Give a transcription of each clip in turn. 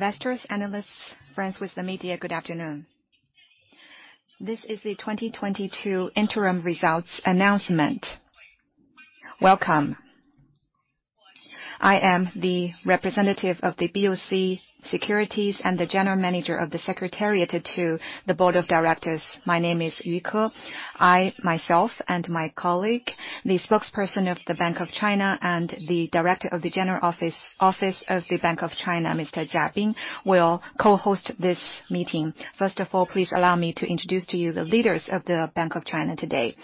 Investors, analysts, friends with the media, good afternoon. This is the 2022 interim results announcement. Welcome. I am the representative of the BOC Securities Limited and the General Manager of the Secretariat to the Board of Directors. My name is Yu Ke. I, myself, and my colleague, the spokesperson of the Bank of China and the Director of the General Office of the Bank of China, Mr. Mei Feiqi, will co-host this meeting. First of all, please allow me to introduce to you the leaders of the Bank of China today.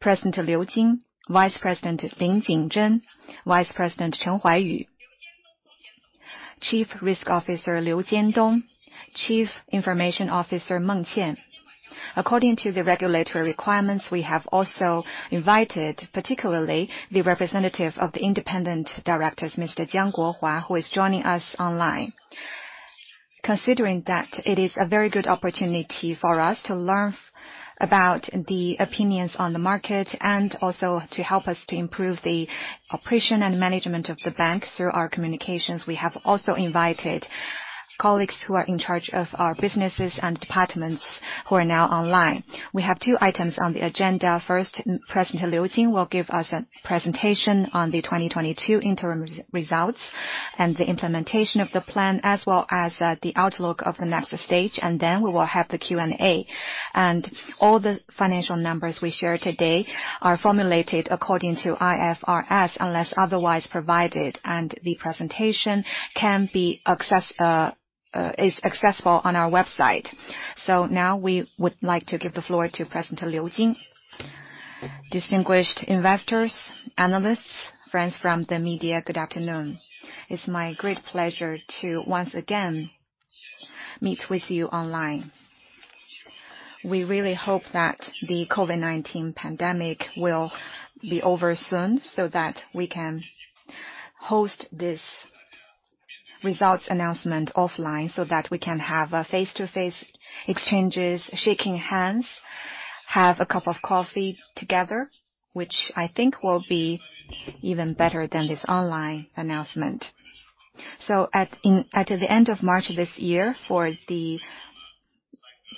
President Liu Jin, Vice President Lin Jingzhen, Vice President Chen Huaiyu, Chief Risk Officer Liu Jiandong, Chief Information Officer Meng Qian. According to the regulatory requirements, we have also invited, particularly the representative of the independent directors, Mr. Jiang Guohua, who is joining us online. Considering that it is a very good opportunity for us to learn about the opinions on the market and also to help us to improve the operation and management of the bank through our communications, we have also invited colleagues who are in charge of our businesses and departments who are now online. We have two items on the agenda. First, President Liu Jin will give us a presentation on the 2022 interim results and the implementation of the plan, as well as the outlook of the next stage, and then we will have the Q&A. All the financial numbers we share today are formulated according to IFRS, unless otherwise provided, and the presentation is accessible on our website. Now we would like to give the floor to President Liu Jin. Distinguished investors, analysts, friends from the media, good afternoon. It's my great pleasure to once again meet with you online. We really hope that the COVID-19 pandemic will be over soon, so that we can host this results announcement offline, so that we can have face-to-face exchanges, shaking hands, have a cup of coffee together, which I think will be even better than this online announcement. At the end of March this year, for the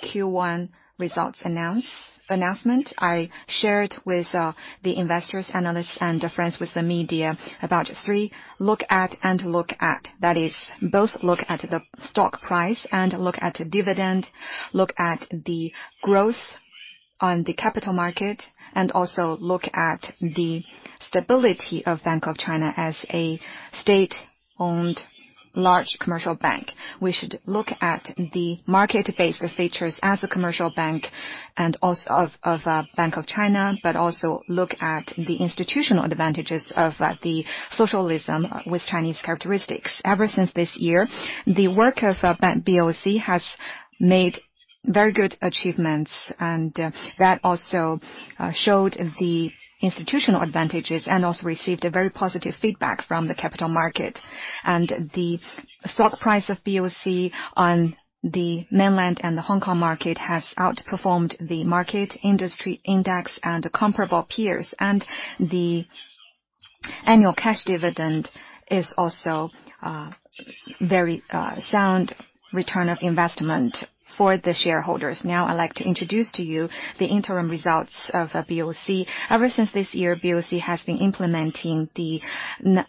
Q1 results announcement, I shared with the investors, analysts, and friends from the media about three looks at. That is, both look at the stock price and look at dividend, look at the growth on the capital market, and also look at the stability of Bank of China as a state-owned large commercial bank. We should look at the market-based features as a commercial bank and also of Bank of China, but also look at the institutional advantages of the Socialism with Chinese Characteristics. Ever since this year, the work of BOC has made very good achievements, and that also showed the institutional advantages and also received a very positive feedback from the capital market. The stock price of BOC on the mainland and the Hong Kong market has outperformed the market industry index and comparable peers. The annual cash dividend is also very sound return on investment for the shareholders. Now I'd like to introduce to you the interim results of BOC. Ever since this year, BOC has been implementing the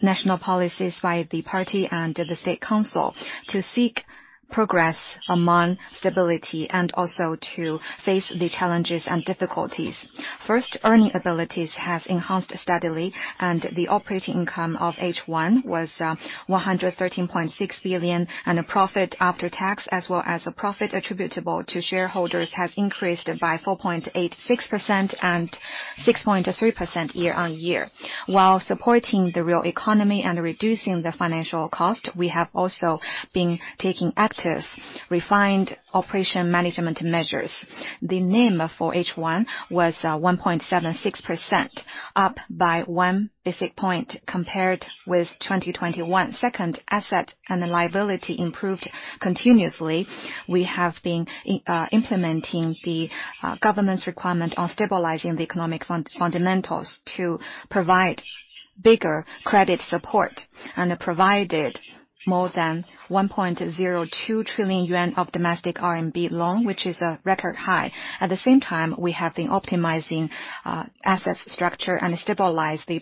national policies by the party and the State Council to seek progress among stability and also to face the challenges and difficulties. First, earning abilities have enhanced steadily, and the operating income of H1 was 113.6 billion, and a profit after tax, as well as the profit attributable to shareholders, has increased by 4.86% and 6.3% year on year. While supporting the real economy and reducing the financial cost, we have also been taking active, refined operation management measures. The NIM for H1 was 1.76%, up by 1 basis point compared with 2021. Second, asset and the liability improved continuously. We have been implementing the government's requirement on stabilizing the economic fundamentals to provide bigger credit support and provided more than 1.02 trillion yuan of domestic RMB loan, which is a record high. At the same time, we have been optimizing asset structure and stabilize the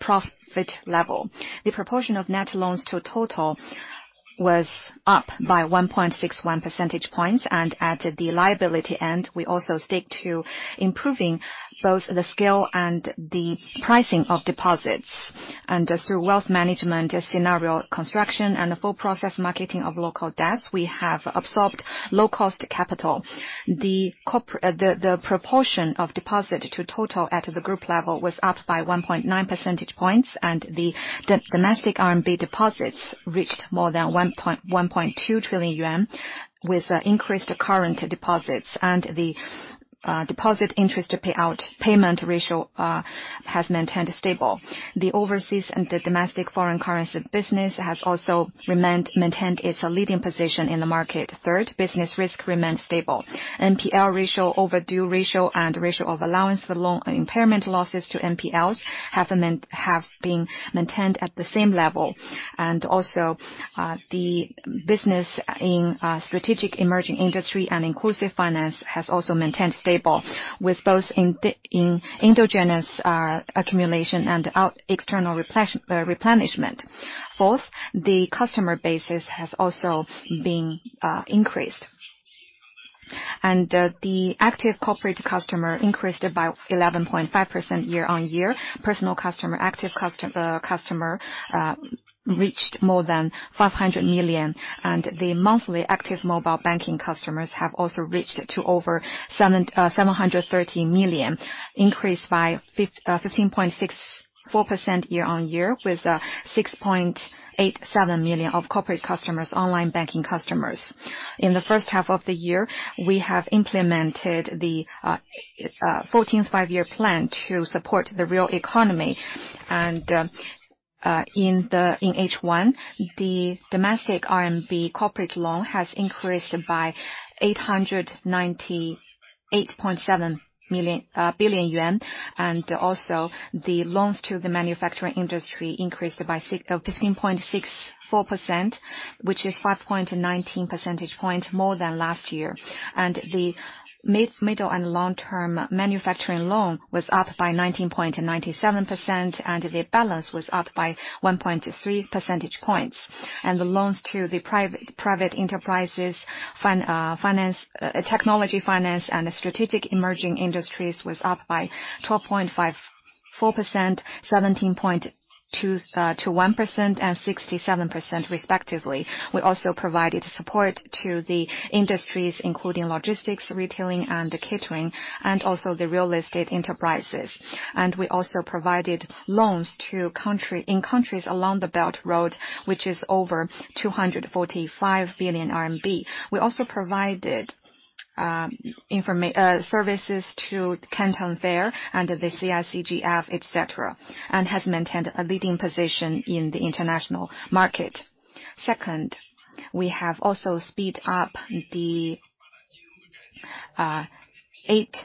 profit level. The proportion of net loans to total was up by 1.61 percentage points. At the liability end, we also stick to improving both the scale and the pricing of deposits. Just through wealth management scenario construction and the full process marketing of local debts, we have absorbed low-cost capital. The proportion of deposit to total at the group level was up by 1.9 percentage points, and the domestic RMB deposits reached more than 1.2 trillion yuan with increased current deposits. Deposit interest payment ratio has maintained stable. The overseas and the domestic foreign currency business has also maintained its leading position in the market. Third, business risk remains stable. NPL ratio, overdue ratio and ratio of allowance for loan impairment losses to NPLs have been maintained at the same level. The business in strategic emerging industry and inclusive finance has also maintained stable with both endogenous accumulation and external replenishment. Fourth, the customer base has also been increased. The active corporate customer increased by 11.5% year-on-year. Personal customers, active customers, reached more than 500 million, and the monthly active mobile banking customers have also reached to over 730 million, increased by 15.64% year-over-year, with 6.87 million corporate online banking customers. In the H1 of the year, we have implemented the Fourteenth Five-Year Plan to support the real economy. In H1, the domestic RMB corporate loan has increased by 898.7 billion yuan. The loans to the manufacturing industry increased by 15.64%, which is 5.19 percentage points more than last year. The medium- and long-term manufacturing loan was up by 19.97%, and the balance was up by 1.3 percentage points. The loans to the private enterprises, inclusive finance, technology finance and the strategic emerging industries was up by 12.54%, 17.21%, and 67% respectively. We also provided support to the industries including logistics, retailing and catering, and also the real estate enterprises. We also provided loans in countries along the Belt and Road, which is over 245 billion RMB. We also provided services to Canton Fair and the CIIE, et cetera, and has maintained a leading position in the international market. Second, we have also sped up the eight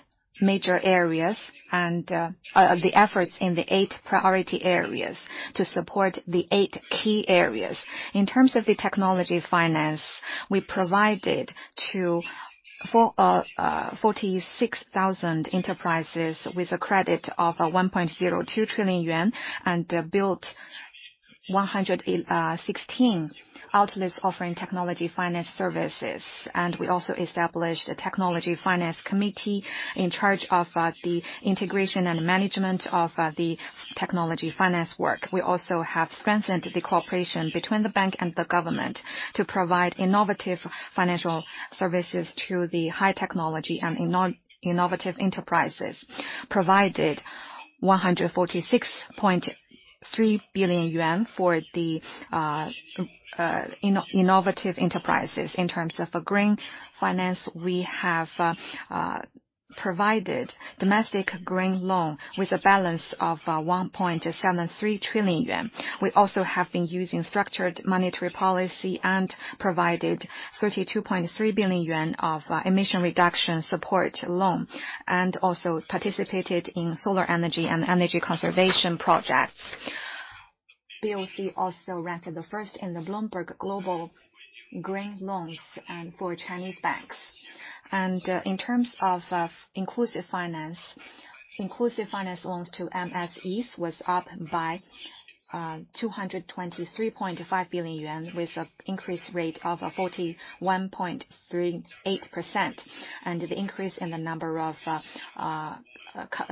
major areas and the efforts in the eight priority areas to support the eight key areas. In terms of the technology finance, we provided to 46,000 enterprises with a credit of 1.02 trillion yuan, and built 116 outlets offering technology finance services. We also established a technology finance committee in charge of the integration and management of the technology finance work. We also have strengthened the cooperation between the bank and the government to provide innovative financial services to the high technology and innovative enterprises, provided 146.3 billion yuan for the innovative enterprises. In terms of green finance, we have provided domestic green loan with a balance of 1.73 trillion yuan. We also have been using structured monetary policy and provided 32.3 billion yuan of emission reduction support loan, and also participated in solar energy and energy conservation projects. BOC also ranked the first in the Bloomberg global green loans and for Chinese banks. In terms of inclusive finance, inclusive finance loans to MSEs was up by 223.5 billion yuan with an increase rate of 41.38%. The increase in the number of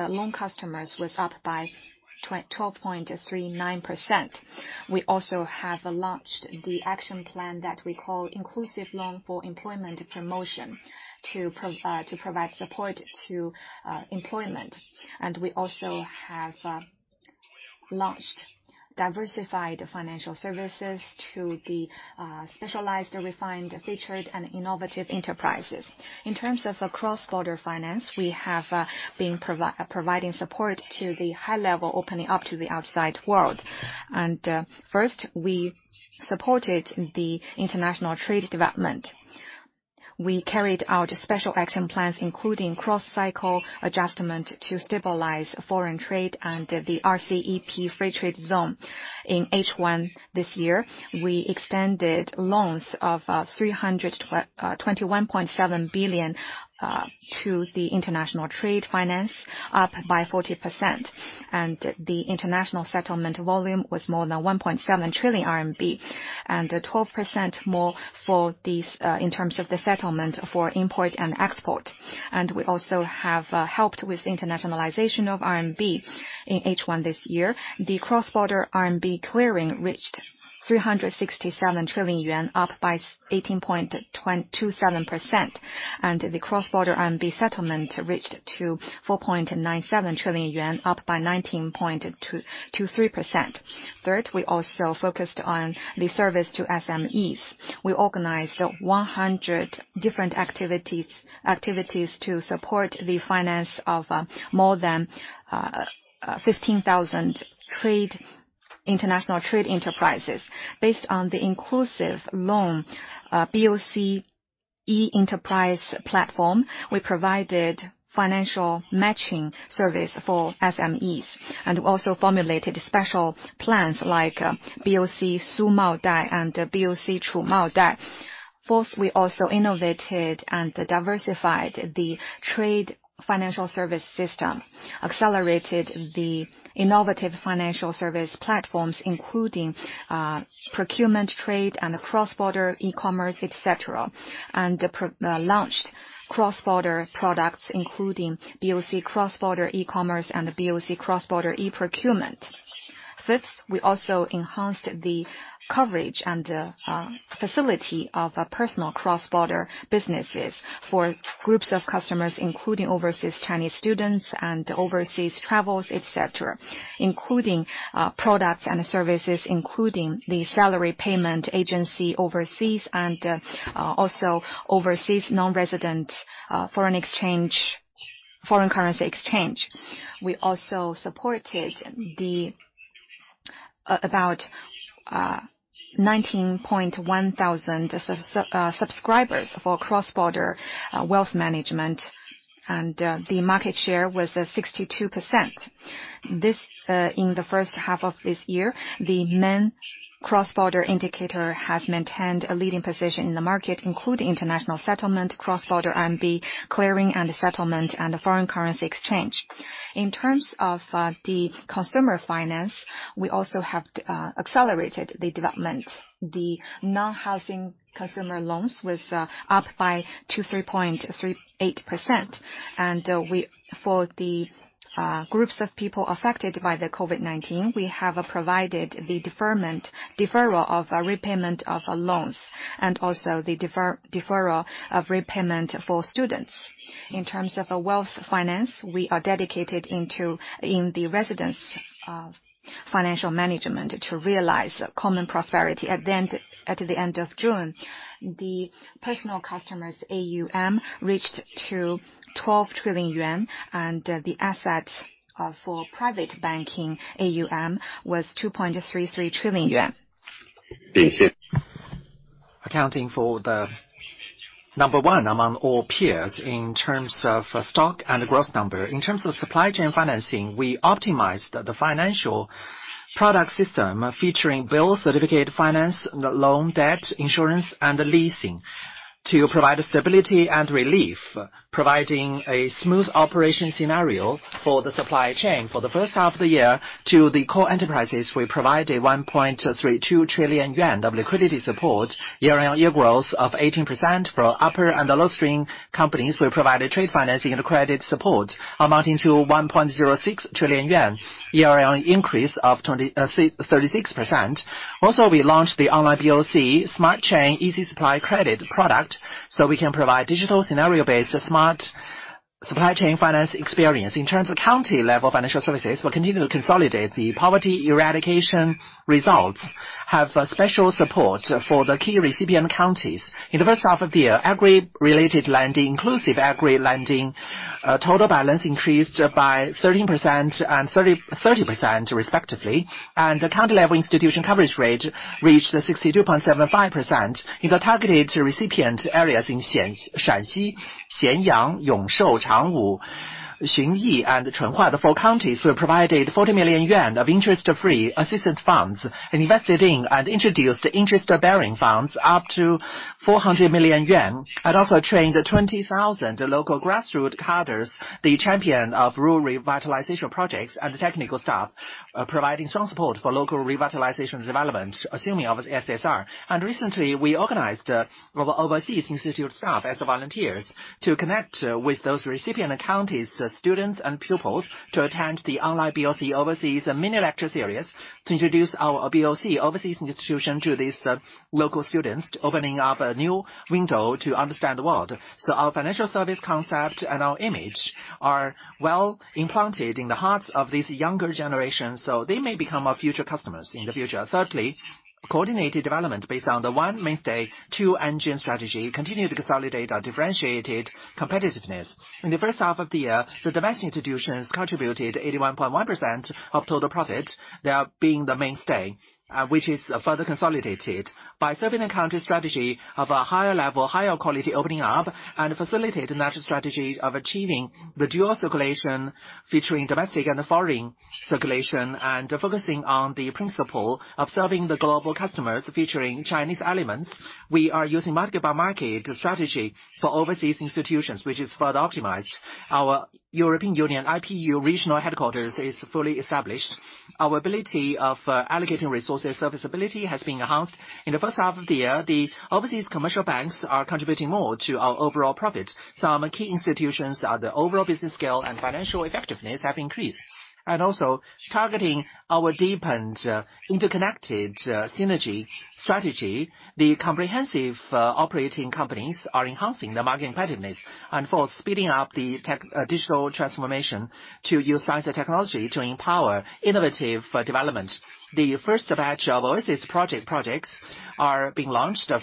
loan customers was up by 12.39%. We also have launched the action plan that we call Inclusive Loan for Employment Promotion to provide support to employment. We also have launched diversified financial services to the specialized, refined, featured and innovative enterprises. In terms of the cross-border finance, we have been providing support to the high level opening up to the outside world. First, we supported the international trade development. We carried out special action plans, including cross-cycle adjustment to stabilize foreign trade and the RCEP free trade zone. In H1 this year, we extended loans of 321.7 billion to the international trade finance, up by 40%. The international settlement volume was more than 1.7 trillion RMB RMB and 12% more for these in terms of the settlement for import and export. We also have helped with internationalization of RMB. In H1 this year, the cross-border RMB clearing reached 367 trillion yuan, up by 18.27%. The cross-border RMB settlement reached 4.97 trillion yuan, up by 19.23%. Third, we also focused on the service to SMEs. We organized 100 different activities to support the finance of more than 15,000 international trade enterprises. Based on the inclusive loan, BOC e-Enterprise platform, we provided financial matching service for SMEs. We also formulated special plans like BOC Su Mao Dai and BOC Chu Mao Dai. Fourth, we also innovated and diversified the trade financial service system. We accelerated the innovative financial service platforms, including procurement trade and cross-border e-commerce, etc. Launched cross-border products, including BOC Cross-border e-Commerce Connect and BOC Cross-Border E-Procurement Express. Fifth, we also enhanced the coverage and facilities for personal cross-border business for groups of customers, including overseas Chinese students and overseas travelers, et cetera. Including products and services, including the salary payment agency overseas and also overseas non-resident foreign currency exchange. We also supported about 19,100 subscribers for cross-border wealth management, and the market share was at 62%. This, in the H1 of this year, the main cross-border indicator has maintained a leading position in the market, including international settlement, cross-border RMB clearing and settlement, and foreign currency exchange. In terms of the consumer finance, we also have accelerated the development. The non-housing consumer loans was up by 23.38%. For the groups of people affected by the COVID-19, we have provided the deferral of repayment of loans, and also the deferral of repayment for students. In terms of wealth management, we are dedicated to the residents' financial management to realize common prosperity. At the end of June, the personal customers AUM reached 12 trillion yuan, and the AUM for private banking was 2.33 trillion yuan. Accounting for the number one among all peers in terms of scale and growth. In terms of supply chain financing, we optimized the financial product system featuring bill, certificate, finance, loan, debt, insurance, and leasing to provide stability and relief, providing a smooth operation scenario for the supply chain. For the H1 of the year, to the core enterprises, we provided 1.32 trillion yuan of liquidity support, year-on-year growth of 18%. For upstream and downstream companies, we provided trade financing and credit support amounting to 1.06 trillion yuan, year-on-year increase of 36%. Also, we launched the online BOC Smart Chain • Rong Yi Xin product, so we can provide digital scenario-based smart supply chain finance experience. In terms of county-level financial services, we continue to consolidate the poverty eradication results and have special support for the key recipient counties. In the H1 of the year, agri-related lending, inclusive agri-lending, total balance increased by 13% and 30% respectively. The county-level institution coverage rate reached 62.75%. In the targeted recipient areas in Xi'an, Shaanxi, Xianyang, Yongshou, Changwu, Xunyi, and Chunhua, the four counties were provided 40 million yuan of interest-free assistance funds, invested in and introduced interest-bearing funds up to 400 million yuan. We also trained 20,000 local grassroots cadres, the champions of rural revitalization projects and technical staff, providing strong support for local revitalization development, ensuring the CSR. Recently, we organized our overseas institute staff as volunteers to connect with those recipient counties, students and pupils to attend the online BOC Overseas mini-lecture series to introduce our BOC Overseas institution to these, local students, opening up a new window to understand the world. Our financial service concept and our image are well implanted in the hearts of these younger generations, so they may become our future customers in the future. Thirdly, coordinated development based on the One Mainstay, Two Engines strategy, continue to consolidate our differentiated competitiveness. In the H1 of the year, the domestic institutions contributed 81.1% of total profit, they are being the mainstay, which is further consolidated. By serving the country's strategy of a higher level, higher quality opening up, and facilitate the national strategy of achieving the dual circulation featuring domestic and foreign circulation. Focusing on the principle of serving the global customers featuring Chinese elements, we are using market-by-market strategy for overseas institutions, which is further optimized. Our European Union IPU regional headquarters is fully established. Our ability of allocating resources, serviceability has been enhanced. In the H1 of the year, the overseas commercial banks are contributing more to our overall profit. Some key institutions, the overall business scale and financial effectiveness have increased. Targeting our deep and interconnected synergy strategy, the comprehensive operating companies are enhancing their market competitiveness. Fourth, speeding up the digital transformation to use science and technology to empower innovative development. The first batch of overseas projects are being launched. They're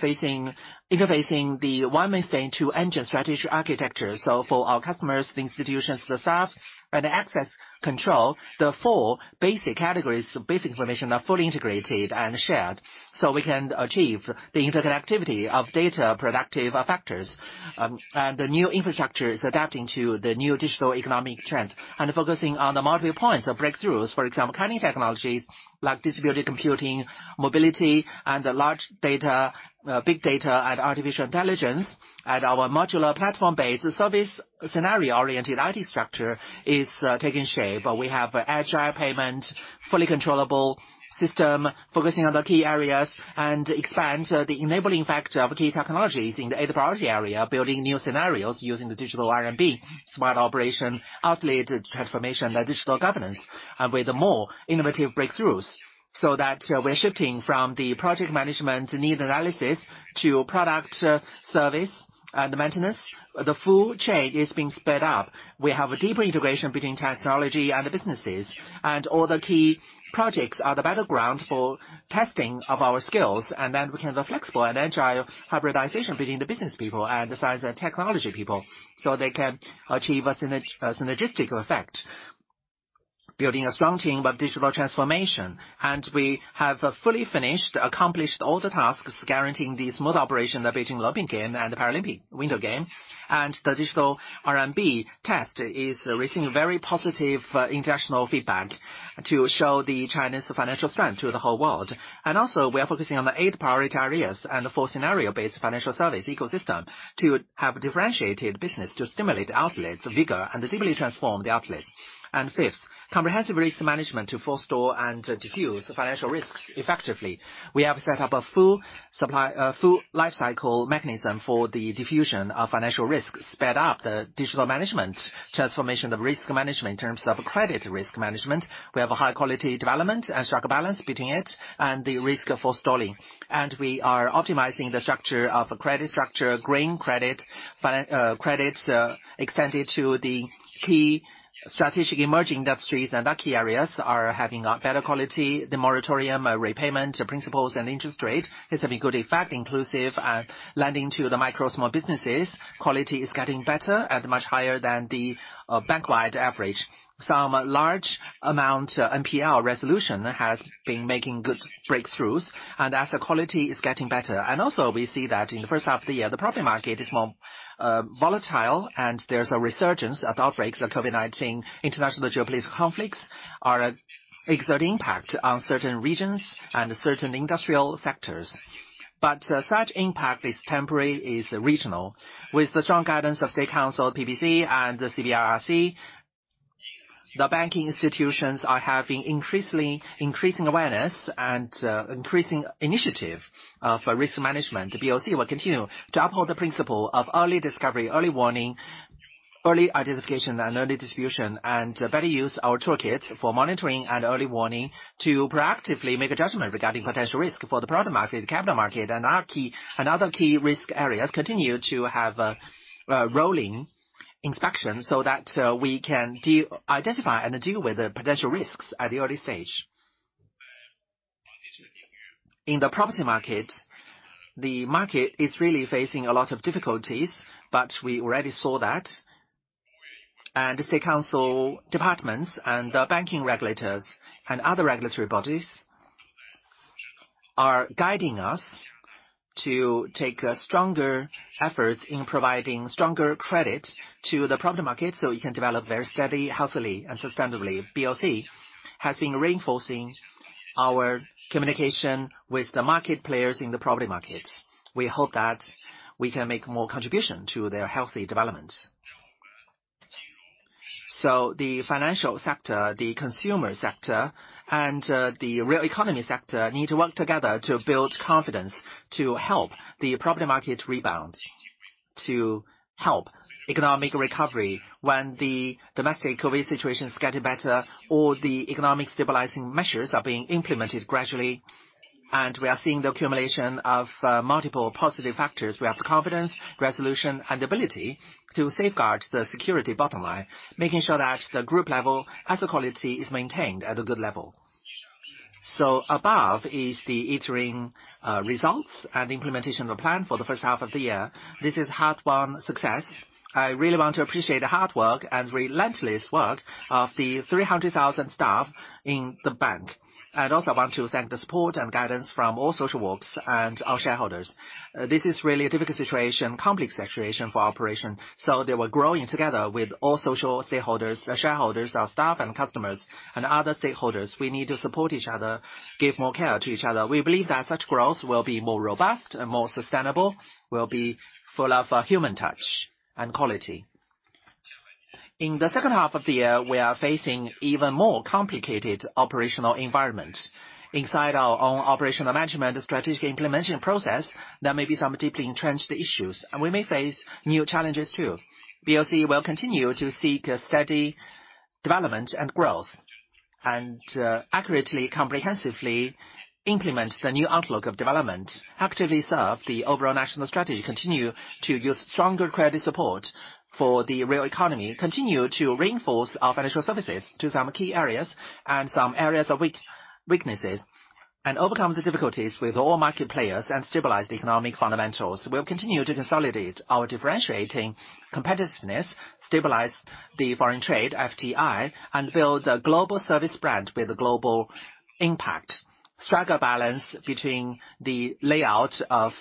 interfacing the One Mainstay, Two Engines strategic architecture. For our customers, the institutions, the staff and the access control, the four basic categories, basic information are fully integrated and shared. We can achieve the interconnectivity of data-productive factors. The new infrastructure is adapting to the new digital economic trends and focusing on the multiple points of breakthroughs. For example, cutting-edge technologies like distributed computing, mobility, and big data and artificial intelligence. Our modular platform-based service scenario-oriented ID structure is taking shape. We have agile payment, fully controllable system, focusing on the key areas and expand the enabling factor of key technologies in the eight priority areas, building new scenarios using the digital RMB, smart operation, outlet transformation and digital governance. With more innovative breakthroughs so that we're shifting from the project management need analysis to product service and maintenance. The full chain is being sped up. We have a deeper integration between technology and the businesses, and all the key projects are the battleground for testing of our skills. We can flexible and agile hybridization between the business people and the science and technology people, so they can achieve a synergistic effect. Building a strong team of digital transformation. We have fully finished, accomplished all the tasks guaranteeing the smooth operation of Beijing Olympic Games and the Paralympic Winter Games. The digital RMB test is receiving very positive international feedback to show the Chinese financial strength to the whole world. We are focusing on the eight priority areas and four scenario-based financial service ecosystem to have differentiated business to stimulate outlets vigor and significantly transform the outlets. Fifth, comprehensive risk management to forestall and defuse financial risks effectively. We have set up a full lifecycle mechanism for the resolution of financial risk, sped up the digital management transformation of risk management in terms of credit risk management. We have high-quality development and strike a balance between it and the risk control. We are optimizing the structure of credit structure, green credit extended to the key strategic emerging industries, and our key areas are having a better quality. The moratorium repayment principal and interest rate is having good effect, inclusive lending to the micro- and small businesses. Quality is getting better and much higher than the bank-wide average. Some large-amount NPL resolution has been making good breakthroughs and asset quality is getting better. We see that in the H1 of the year, the property market is more volatile and there's a resurgence of outbreaks of COVID-19. International geopolitical conflicts exert impact on certain regions and certain industrial sectors. Such impact is temporary. It is regional. With the strong guidance of State Council, PBC and the CBRC, the banking institutions are having increasing awareness and increasing initiative for risk management. BOC will continue to uphold the principle of early discovery, early warning, early identification, and early disposal. We better use our toolkit for monitoring and early warning to proactively make a judgment regarding potential risk for the property market, capital market, and other key risk areas. Continue to have rolling inspection so that we can identify and deal with the potential risks at the early stage. In the property market, the market is really facing a lot of difficulties, but we already saw that. The State Council departments and the banking regulators and other regulatory bodies are guiding us to take stronger efforts in providing stronger credit to the property market, so we can develop very steady, healthily and sustainably. BOC has been reinforcing our communication with the market players in the property markets. We hope that we can make more contribution to their healthy development. The financial sector, the consumer sector and the real economy sector need to work together to build confidence to help the property market rebound, to help economic recovery when the domestic COVID situation is getting better or the economic stabilizing measures are being implemented gradually and we are seeing the accumulation of multiple positive factors. We have the confidence, resolution, and ability to safeguard the security bottom line, making sure that the group level asset quality is maintained at a good level. Above is the interim results and implementation plan for the H1 of the year. This is hard-won success. I really want to appreciate the hard work and relentless work of the 300,000 staff in the bank. I'd also want to thank the support and guidance from all walks of society and our shareholders. This is really a difficult situation, complex situation for operation. They were growing together with all walks of society, shareholders, our staff and customers and other stakeholders. We need to support each other, give more care to each other. We believe that such growth will be more robust and more sustainable, will be full of human touch and quality. In the H2 of the year, we are facing even more complicated operational environment. Inside our own operational management strategic implementation process, there may be some deeply entrenched issues and we may face new challenges too. BOC will continue to seek a steady development and growth and accurately, comprehensively implement the new outlook of development, actively serve the overall national strategy, continue to use stronger credit support for the real economy, continue to reinforce our financial services to some key areas and some areas of weak- Weaknesses and overcome the difficulties with all market players and stabilize the economic fundamentals. We'll continue to consolidate our differentiating competitiveness, stabilize the foreign trade, FDI, and build a global service brand with a global impact. Strike a balance between the layout of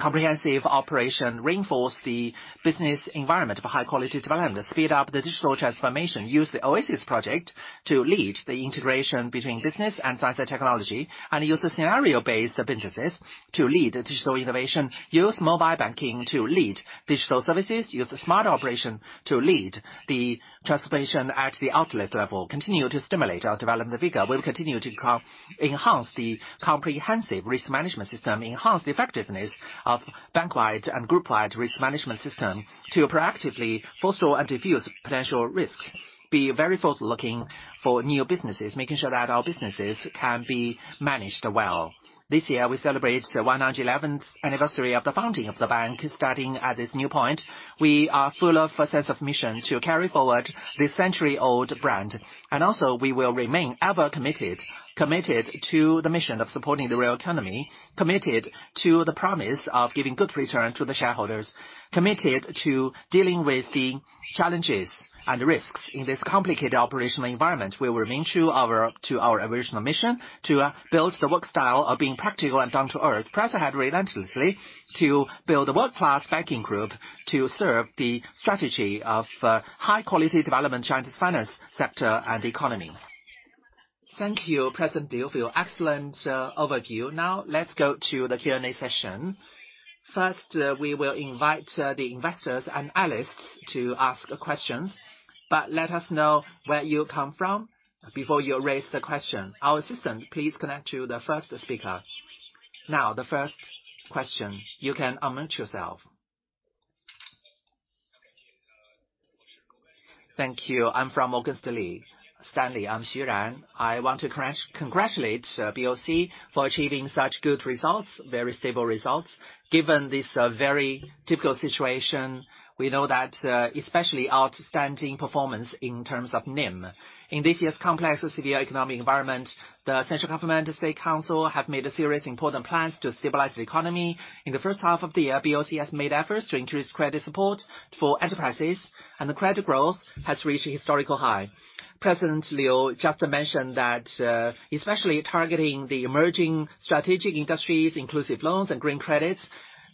comprehensive operation, reinforce the business environment of a high-quality development. Speed up the digital transformation. Use the OASIS project to lead the integration between business and science and technology, and use a scenario-based business to lead the digital innovation. Use mobile banking to lead digital services. Use smart operation to lead the transformation at the outlet level. Continue to stimulate our development vigor. We'll continue to co-enhance the comprehensive risk management system. Enhance the effectiveness of bank-wide and group-wide risk management system to proactively forestall and diffuse potential risks. Be very forward-looking for new businesses, making sure that our businesses can be managed well. This year, we celebrate 111th anniversary of the founding of the bank. Starting at this new point, we are full of a sense of mission to carry forward this century-old brand. We will remain ever committed. Committed to the mission of supporting the real economy. Committed to the promise of giving good return to the shareholders. Committed to dealing with the challenges and risks in this complicated operational environment, where we're true to our original mission to build the work style of being practical and down-to-earth. Press ahead relentlessly to build a world-class banking group to serve the strategy of high-quality development Chinese finance sector and economy. Thank you, President Liu, for your excellent overview. Now let's go to the Q&A session. First, we will invite the investors and analysts to ask questions. But let us know where you come from before you raise the question. Our assistant, please connect to the first speaker. Now, the first question, you can unmute yourself. Thank you. I'm from Morgan Stanley. I'm Ran Xu. I want to congratulate BOC for achieving such good results, very stable results. Given this very difficult situation, we know that especially outstanding performance in terms of NIM. In this year's complex severe economic environment, the central government and State Council have made a series of important plans to stabilize the economy. In the H1 of the year, BOC has made efforts to increase credit support for enterprises, and the credit growth has reached a historical high. President Liu Jin just mentioned that, especially targeting the emerging strategic industries, inclusive loans, and green credit,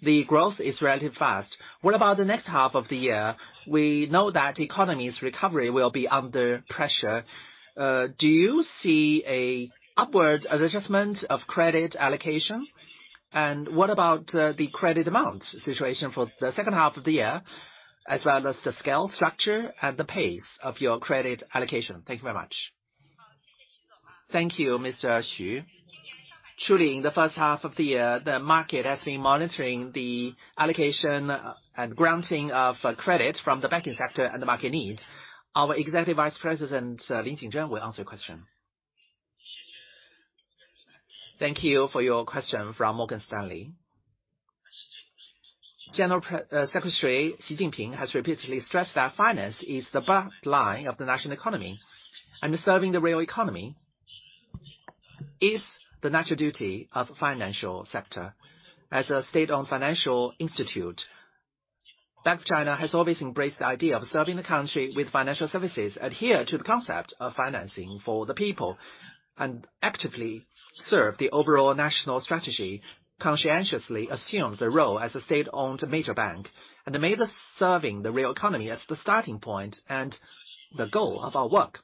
the growth is relatively fast. What about the next half of the year? We know that the economy's recovery will be under pressure. Do you see an upward adjustment of credit allocation? And what about the credit amount situation for the H2 of the year, as well as the scale, structure, and the pace of your credit allocation? Thank you very much. Thank you, Mr. Xu Ran. Truly, in the H1 of the year, the market has been monitoring the allocation and granting of credit from the banking sector and the market needs. Our Executive Vice President Lin Jingzhen will answer your question. Thank you for your question from Morgan Stanley. General Secretary Xi Jinping has repeatedly stressed that finance is the front line of the national economy, and serving the real economy is the natural duty of financial sector. As a state-owned financial institute, Bank of China has always embraced the idea of serving the country with financial services, adhere to the concept of financing for the people, and actively serve the overall national strategy, conscientiously assume the role as a state-owned major bank, and made serving the real economy as the starting point and the goal of our work,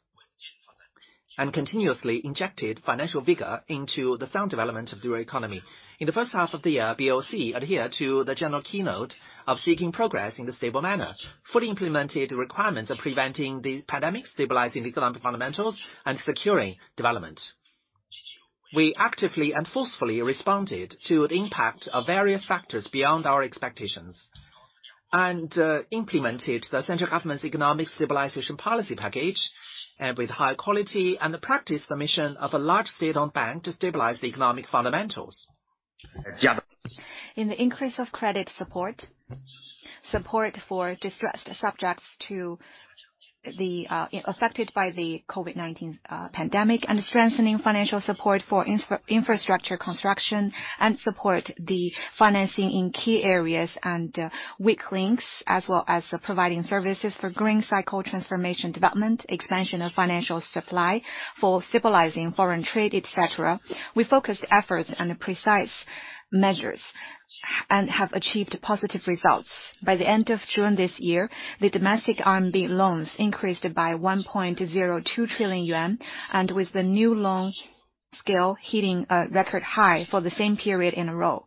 and continuously injected financial vigor into the sound development of the real economy. In the H1 of the year, BOC adhered to the general keynote of seeking progress in the stable manner, fully implemented the requirements of preventing the pandemic, stabilizing the economic fundamentals, and securing development. We actively and forcefully responded to the impact of various factors beyond our expectations, and implemented the central government's economic stabilization policy package with high quality and practice the mission of a large state-owned bank to stabilize the economic fundamentals. In increasing credit support for distressed subjects affected by the COVID-19 pandemic, and strengthening financial support for infrastructure construction, and supporting the financing in key areas and weak links, as well as providing services for green cycle transformation development, expansion of financial supply for stabilizing foreign trade, et cetera. We focused efforts and precise measures and have achieved positive results. By the end of June this year, the domestic RMB loans increased by 1.02 trillion yuan, and with the new loan scale hitting a record high for the same period in a row.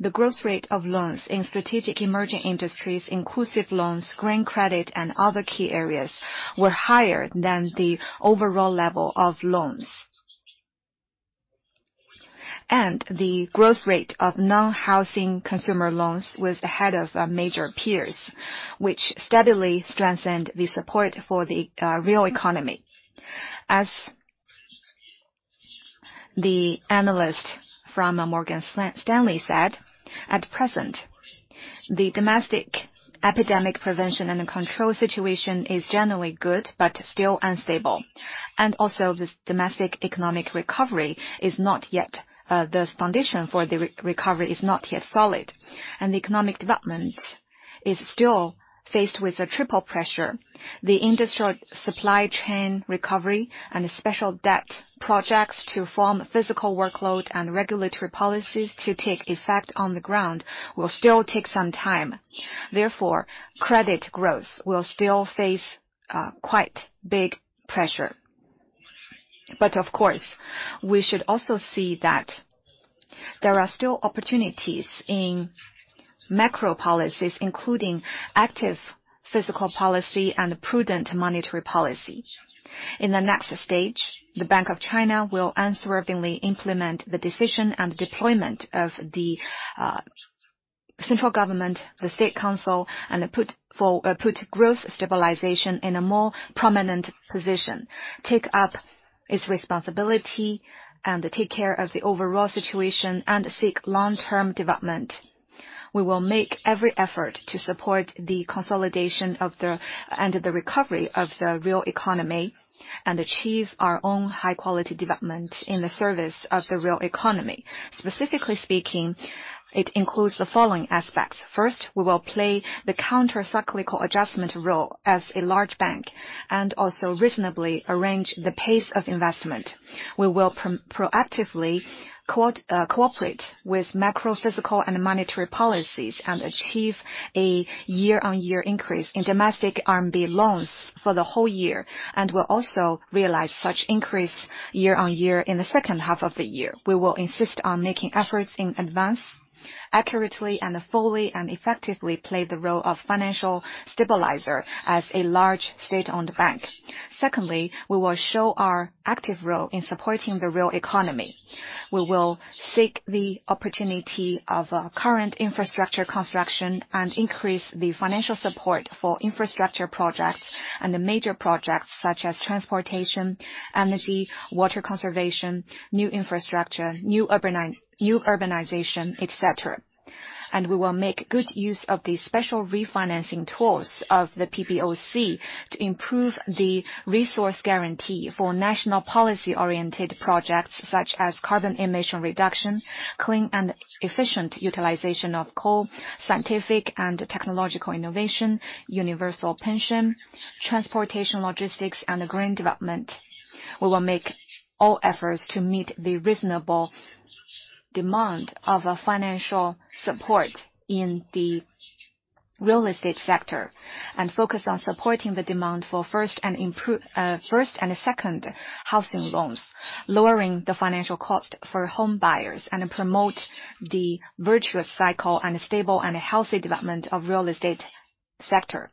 The growth rate of loans in strategic emerging industries, inclusive loans, green credit, and other key areas were higher than the overall level of loans. The growth rate of non-housing consumer loans was ahead of major peers, which steadily strengthened the support for the real economy. The analyst from Morgan Stanley said, at present, the domestic epidemic prevention and control situation is generally good but still unstable. This domestic economic recovery is not yet solid. The foundation for the recovery is not yet solid. The economic development is still faced with a triple pressure. The industrial supply chain recovery and special debt projects to form physical workload and regulatory policies to take effect on the ground will still take some time. Therefore, credit growth will still face quite big pressure. Of course, we should also see that there are still opportunities in macro policies, including active fiscal policy and prudent monetary policy. In the next stage, the Bank of China will unswervingly implement the decision and deployment of the central government, the State Council, and put growth stabilization in a more prominent position, take up its responsibility and take care of the overall situation and seek long-term development. We will make every effort to support the consolidation of and the recovery of the real economy and achieve our own high-quality development in the service of the real economy. Specifically speaking, it includes the following aspects. First, we will play the counter-cyclical adjustment role as a large bank and also reasonably arrange the pace of investment. We will proactively cooperate with macro, fiscal and monetary policies and achieve a year-on-year increase in domestic RMB loans for the whole year, and will also realize such increase year-on-year in the H2 of the year. We will insist on making efforts in advance accurately and fully and effectively play the role of financial stabilizer as a large state-owned bank. Secondly, we will show our active role in supporting the real economy. We will seek the opportunity of current infrastructure construction and increase the financial support for infrastructure projects and the major projects such as transportation, energy, water conservation, new infrastructure, new urbanization, et cetera. We will make good use of the special refinancing tools of the PBOC to improve the resource guarantee for national policy-oriented projects such as carbon emission reduction, clean and efficient utilization of coal, scientific and technological innovation, universal pension, transportation, logistics and green development. We will make all efforts to meet the reasonable demand of a financial support in the real estate sector and focus on supporting the demand for first and second housing loans, lowering the financial cost for home buyers and promote the virtuous cycle and stable and healthy development of real estate sector.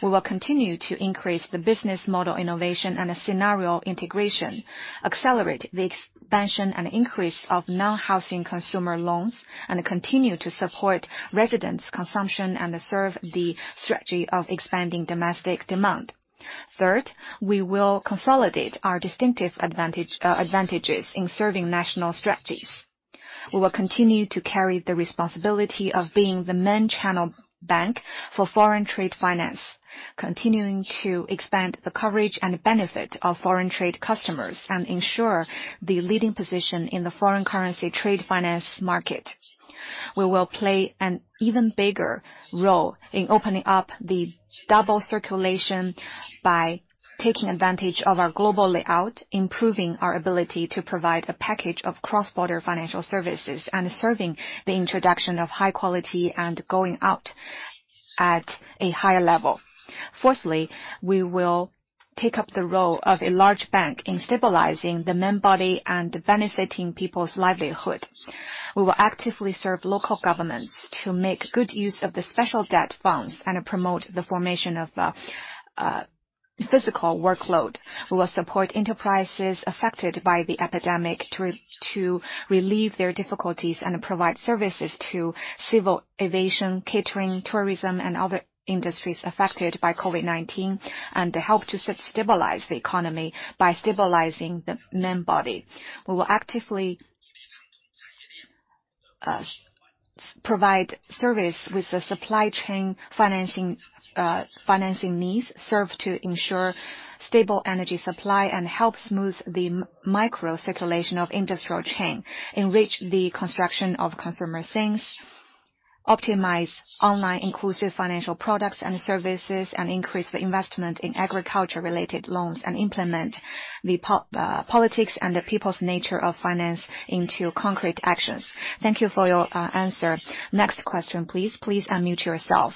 We will continue to increase the business model innovation and a scenario integration, accelerate the expansion and increase of non-housing consumer loans, and continue to support residents consumption and serve the strategy of expanding domestic demand. Third, we will consolidate our distinctive advantages in serving national strategies. We will continue to carry the responsibility of being the main channel bank for foreign trade finance, continuing to expand the coverage and benefit of foreign trade customers and ensure the leading position in the foreign currency trade finance market. We will play an even bigger role in opening up the dual circulation by taking advantage of our global layout, improving our ability to provide a package of cross-border financial services, and serving the introduction of high quality and going out at a higher level. Fourthly, we will take up the role of a large bank in stabilizing the main body and benefiting people's livelihood. We will actively serve local governments to make good use of the special debt funds and promote the formation of physical workload. We will support enterprises affected by the epidemic to relieve their difficulties and provide services to civil aviation, catering, tourism and other industries affected by COVID-19, and to help to stabilize the economy by stabilizing the main body. We will actively provide service with the supply chain financing needs, serve to ensure stable energy supply, and help smooth the micro circulation of industrial chain, enrich the construction of consumer things, optimize online inclusive financial products and services, and increase the investment in agriculture-related loans, and implement the politics and the people's nature of finance into concrete actions. Thank you for your answer. Next question please. Please unmute yourself.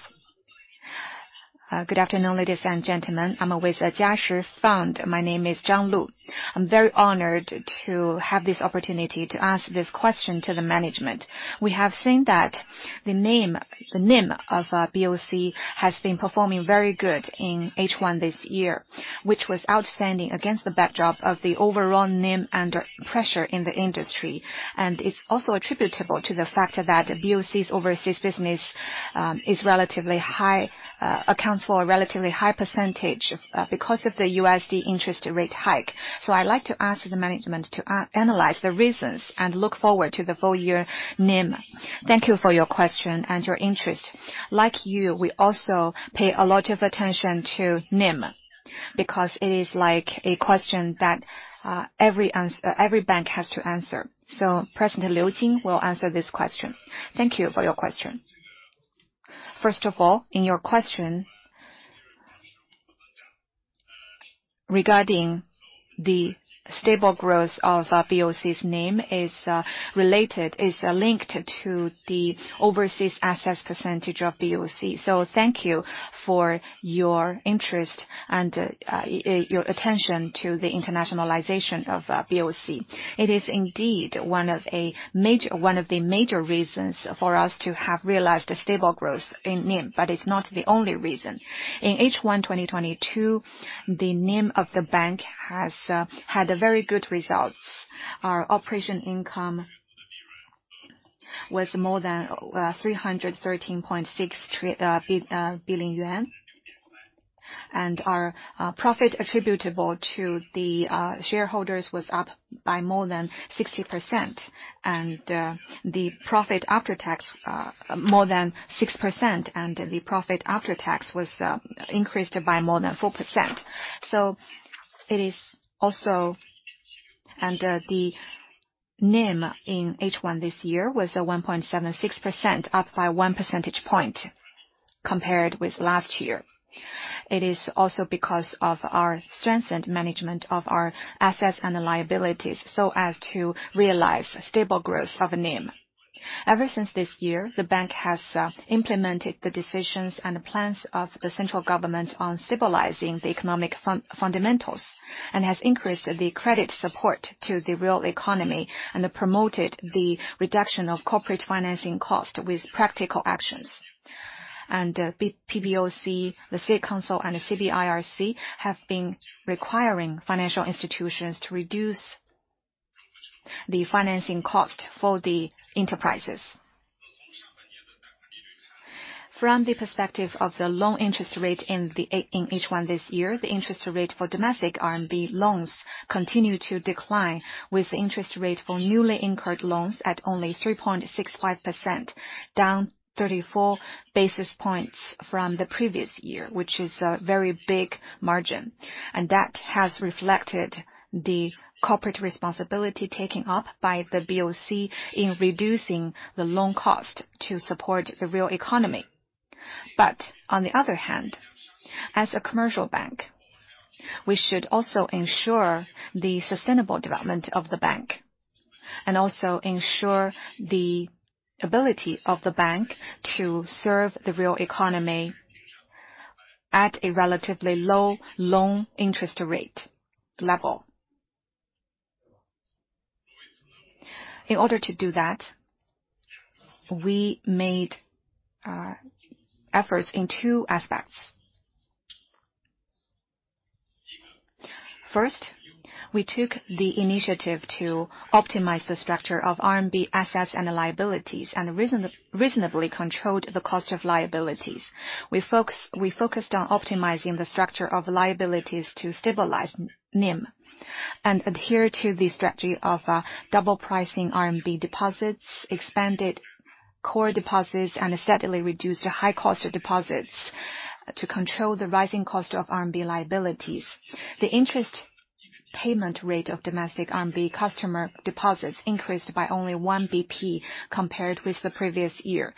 Good afternoon, ladies and gentlemen. I'm with Jiashi Fund. My name is Zhang Lu. I'm very honored to have this opportunity to ask this question to the management. We have seen that the name, the NIM of BOC has been performing very good in H1 this year, which was outstanding against the backdrop of the overall NIM under pressure in the industry. It's also attributable to the fact that BOC's overseas business is relatively high, accounts for a relatively high percentage, because of the USD interest rate hike. I'd like to ask the management to analyze the reasons and look forward to the full year NIM. Thank you for your question and your interest. Like you, we also pay a lot of attention to NIM. Because it is like a question that every bank has to answer. President Liu Jin will answer this question. Thank you for your question. First of all, in your question regarding the stable growth of BOC's NIM is linked to the overseas assets percentage of BOC. Thank you for your interest and your attention to the internationalization of BOC. It is indeed one of the major reasons for us to have realized a stable growth in NIM, but it's not the only reason. In H1 2022, the NIM of the bank had very good results. Our operating income was more than 313.6 billion yuan. Our profit attributable to the shareholders was up by more than 60%. The profit after tax was increased by more than 4%. It is also. The NIM in H1 this year was at 1.76%, up by one percentage point compared with last year. It is also because of our strengthened management of our assets and liabilities, so as to realize stable growth of NIM. Ever since this year, the bank has implemented the decisions and plans of the central government on stabilizing the economic fundamentals, and has increased the credit support to the real economy and promoted the reduction of corporate financing cost with practical actions. PBOC, the State Council and the CBIRC have been requiring financial institutions to reduce the financing cost for the enterprises. From the perspective of the loan interest rate in H1 this year, the interest rate for domestic RMB loans continued to decline, with interest rate for newly incurred loans at only 3.65%, down 34 basis points from the previous year, which is a very big margin. That has reflected the corporate responsibility taking up by the BOC in reducing the loan cost to support the real economy. On the other hand, as a commercial bank, we should also ensure the sustainable development of the bank, and also ensure the ability of the bank to serve the real economy at a relatively low loan interest rate level. In order to do that, we made efforts in two aspects. First, we took the initiative to optimize the structure of RMB assets and liabilities and reasonably controlled the cost of liabilities. We focused on optimizing the structure of liabilities to stabilize NIM and adhere to the strategy of double pricing RMB deposits, expanded core deposits, and steadily reduced high cost deposits to control the rising cost of RMB liabilities. The interest payment rate of domestic RMB customer deposits increased by only 1 bp compared with the previous year.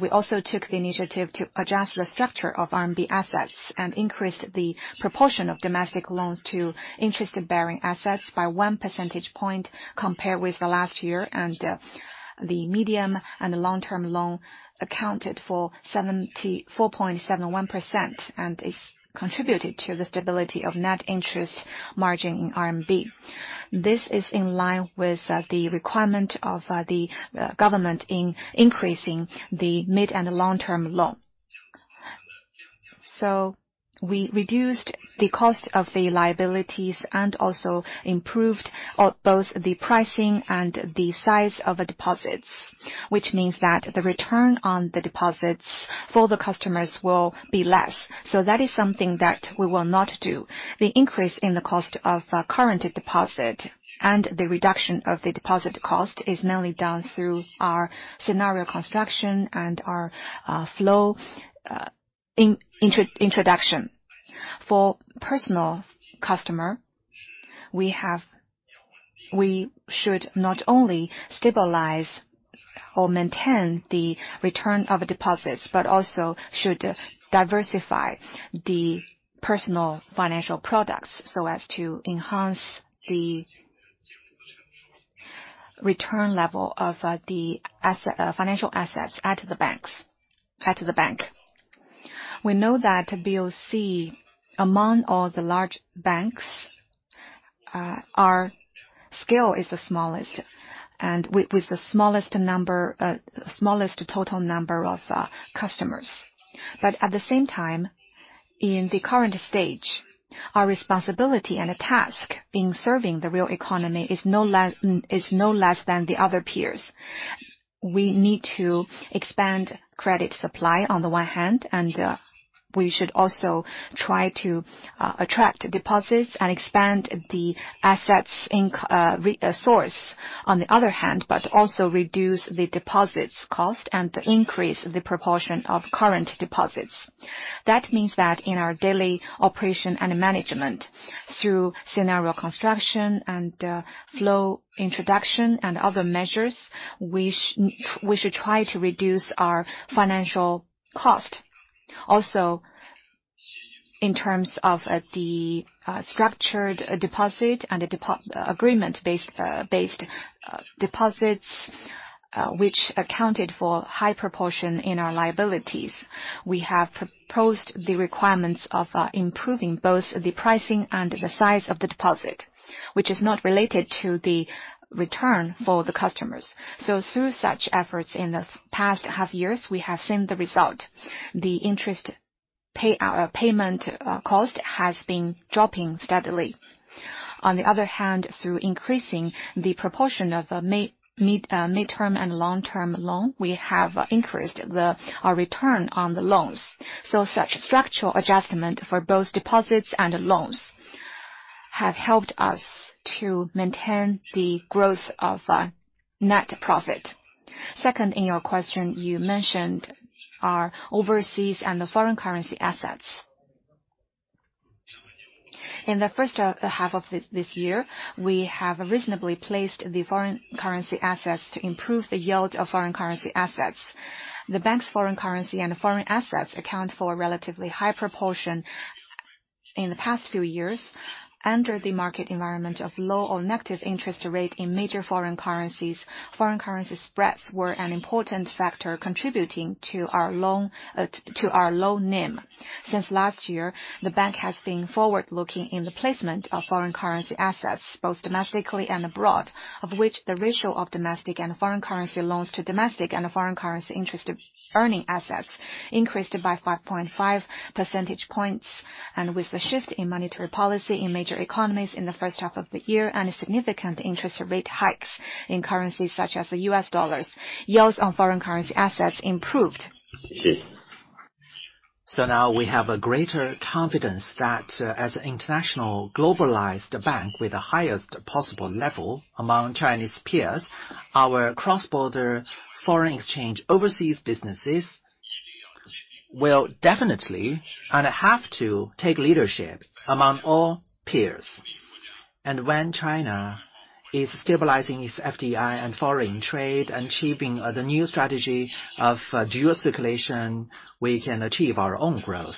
We also took the initiative to adjust the structure of RMB assets and increased the proportion of domestic loans to interest-bearing assets by 1 percentage point compared with the last year. The medium and the long-term loan accounted for 74.71%, and it's contributed to the stability of net interest margin in RMB. This is in line with the requirement of the government in increasing the mid and long-term loan. We reduced the cost of the liabilities and also improved both the pricing and the size of deposits, which means that the return on the deposits for the customers will be less. That is something that we will not do. The increase in the cost of current deposit and the reduction of the deposit cost is mainly done through our scenario construction and our flow introduction. For personal customer, we should not only stabilize or maintain the return of deposits, but also should diversify the personal financial products so as to enhance the return level of the financial assets at the bank. We know that BOC, among all the large banks, our scale is the smallest, and with the smallest total number of customers. At the same time, in the current stage, our responsibility and task in serving the real economy is no less than the other peers. We need to expand credit supply on the one hand, and we should also try to attract deposits and expand the assets source on the other hand, but also reduce the deposits cost and increase the proportion of current deposits. That means that in our daily operation and management, through scenario construction and flow introduction and other measures, we should try to reduce our financial cost. Also, in terms of the structured deposit and the agreement-based deposits, which accounted for high proportion in our liabilities. We have proposed the requirements of improving both the pricing and the size of the deposit, which is not related to the return for the customers. Through such efforts in the past half years, we have seen the result. The interest payment cost has been dropping steadily. On the other hand, through increasing the proportion of midterm and long-term loan, we have increased the return on the loans. Such structural adjustment for both deposits and loans have helped us to maintain the growth of net profit. Second, in your question, you mentioned our overseas and the foreign currency assets. In the H1 of this year, we have reasonably placed the foreign currency assets to improve the yield of foreign currency assets. The bank's foreign currency and foreign assets account for a relatively high proportion in the past few years. Under the market environment of low or negative interest rate in major foreign currencies, foreign currency spreads were an important factor contributing to our low NIM. Since last year, the bank has been forward-looking in the placement of foreign currency assets, both domestically and abroad, of which the ratio of domestic and foreign currency loans to domestic and foreign currency interest earning assets increased by 5.5 percentage points. With the shift in monetary policy in major economies in the H1 of the year, and significant interest rate hikes in currencies such as the US dollars, yields on foreign currency assets improved. Now we have a greater confidence that as international globalized bank with the highest possible level among Chinese peers, our cross-border foreign exchange overseas businesses will definitely and have to take leadership among all peers. When China is stabilizing its FDI and foreign trade and achieving the new strategy of dual circulation, we can achieve our own growth.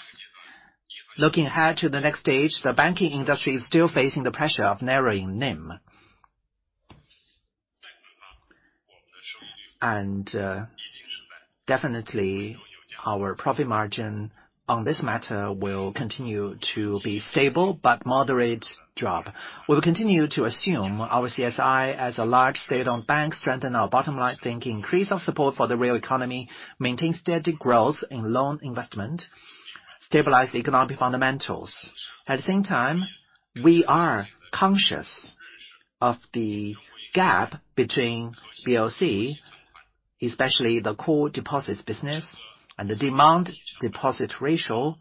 Looking ahead to the next stage, the banking industry is still facing the pressure of narrowing NIM. Definitely, our profit margin on this matter will continue to be stable but moderate drop. We will continue to assume our CSR as a large state-owned bank, strengthen our bottom-line thinking, increase our support for the real economy, maintain steady growth in loan investment, stabilize the economic fundamentals. At the same time, we are conscious of the gap between BOC, especially the core deposits business and the demand deposit ratio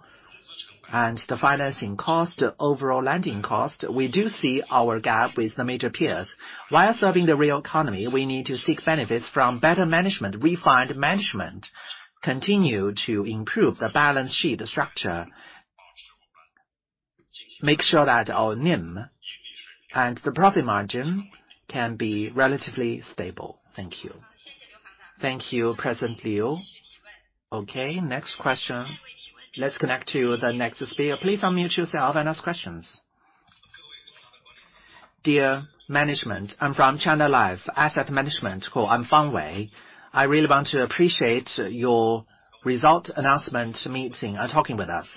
and the financing cost, overall lending cost. We do see our gap with the major peers. While serving the real economy, we need to seek benefits from better management, refined management, continue to improve the balance sheet structure. Make sure that our NIM and the profit margin can be relatively stable. Thank you. Thank you, President Liu. Okay, next question. Let's connect to the next speaker. Please unmute yourself and ask questions. Dear management, I'm from China Life Asset Management Co. I'm Fang Wei. I really want to appreciate your results announcement meeting and talking with us.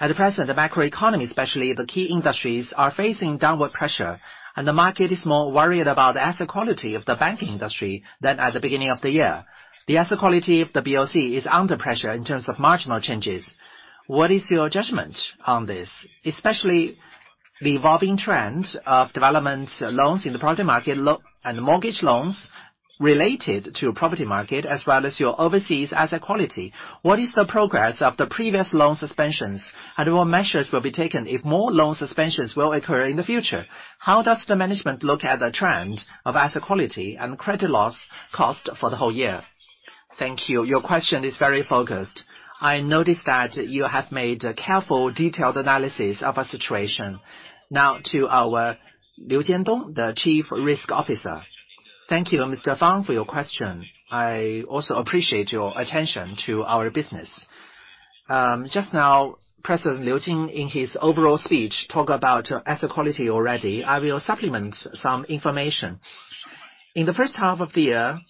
At present, the macroeconomy, especially the key industries, are facing downward pressure and the market is more worried about the asset quality of the banking industry than at the beginning of the year. The asset quality of the BOC is under pressure in terms of marginal changes. What is your judgment on this? Especially the evolving trend of development loans in the property market and mortgage loans related to property market as well as your overseas asset quality. What is the progress of the previous loan suspensions and what measures will be taken if more loan suspensions will occur in the future? How does the management look at the trend of asset quality and credit loss cost for the whole year? Thank you. Your question is very focused. I notice that you have made a careful, detailed analysis of our situation. Now to our Liu Jiandong, the Chief Risk Officer. Thank you, Mr. Fang, for your question. I also appreciate your attention to our business. Just now, President Liu Jin, in his overall speech, talked about asset quality already. I will supplement some information. In the H1 of the year,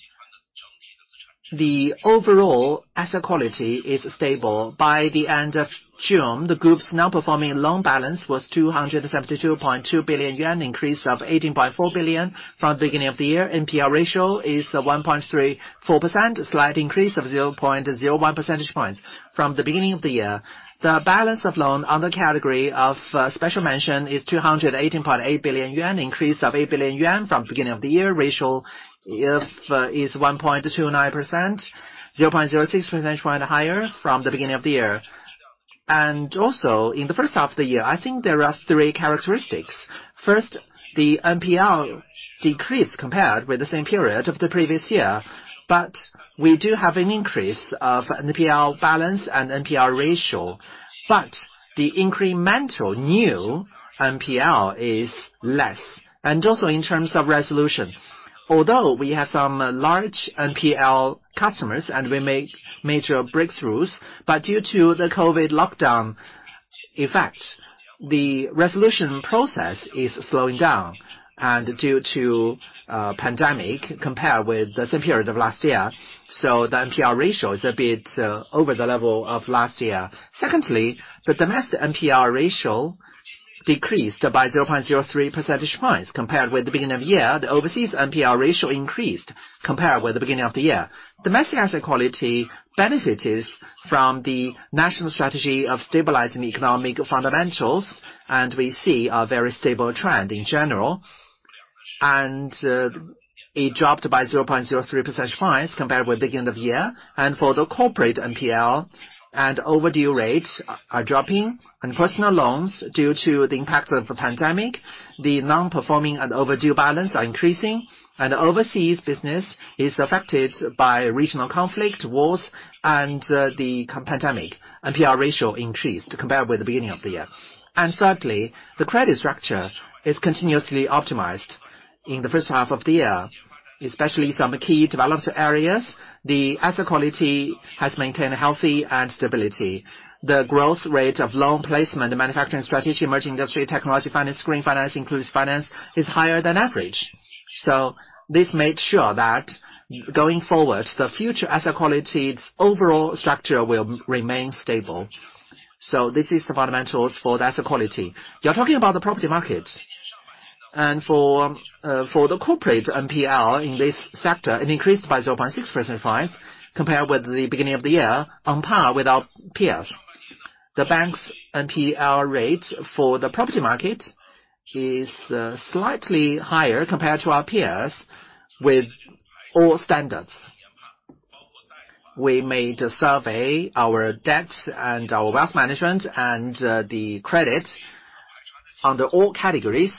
the overall asset quality is stable. By the end of June, the group's non-performing loan balance was 272.2 billion yuan, increase of 18.4 billion from the beginning of the year. NPL ratio is 1.34%, slight increase of 0.01 percentage points from the beginning of the year. The balance of loan on the category of special mention is 218.8 billion yuan, increase of 8 billion yuan from the beginning of the year. ratio is 1.29%, 0.06 percentage point higher from the beginning of the year. Also in the H1 of the year, I think there are three characteristics. First, the NPL decreased compared with the same period of the previous year, but we do have an increase of NPL balance and NPL ratio. But the incremental new NPL is less. Also in terms of resolution, although we have some large NPL customers and we make major breakthroughs, but due to the COVID lockdown effect, the resolution process is slowing down and due to pandemic compared with the same period of last year. The NPL ratio is a bit over the level of last year. Secondly, the domestic NPL ratio decreased by 0.03 percentage points compared with the beginning of the year. The overseas NPL ratio increased compared with the beginning of the year. Domestic asset quality benefited from the national strategy of stabilizing economic fundamentals, and we see a very stable trend in general. It dropped by 0.03 percentage points compared with the beginning of the year. For the corporate NPL and overdue rates are dropping. Personal loans, due to the impact of the pandemic, the non-performing and overdue balance are increasing. Overseas business is affected by regional conflict, wars, and the pandemic. NPL ratio increased compared with the beginning of the year. Thirdly, the credit structure is continuously optimized. In the H1 of the year, especially some key developed areas, the asset quality has maintained healthy and stability. The growth rate of loan placement, manufacturing strategy, emerging industry, technology finance, green finance, inclusive finance is higher than average. This made sure that going forward, the future asset quality, its overall structure will remain stable. This is the fundamentals for the asset quality. You're talking about the property market. For the corporate NPL in this sector, it increased by 0.6 percentage points compared with the beginning of the year on par with our peers. The bank's NPL rate for the property market is slightly higher compared to our peers with all standards. We made a survey of our debt and our wealth management and the credit under all categories.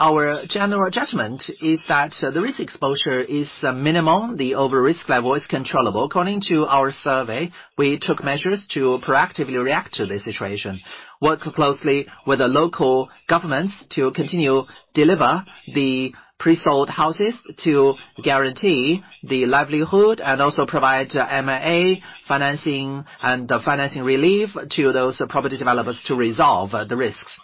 Our general judgment is that the risk exposure is minimal. The overall risk level is controllable. According to our survey, we took measures to proactively react to the situation. Work closely with the local governments to continue deliver the pre-sold houses to guarantee the livelihood and also provide M&A financing and financing relief to those property developers to resolve the risks.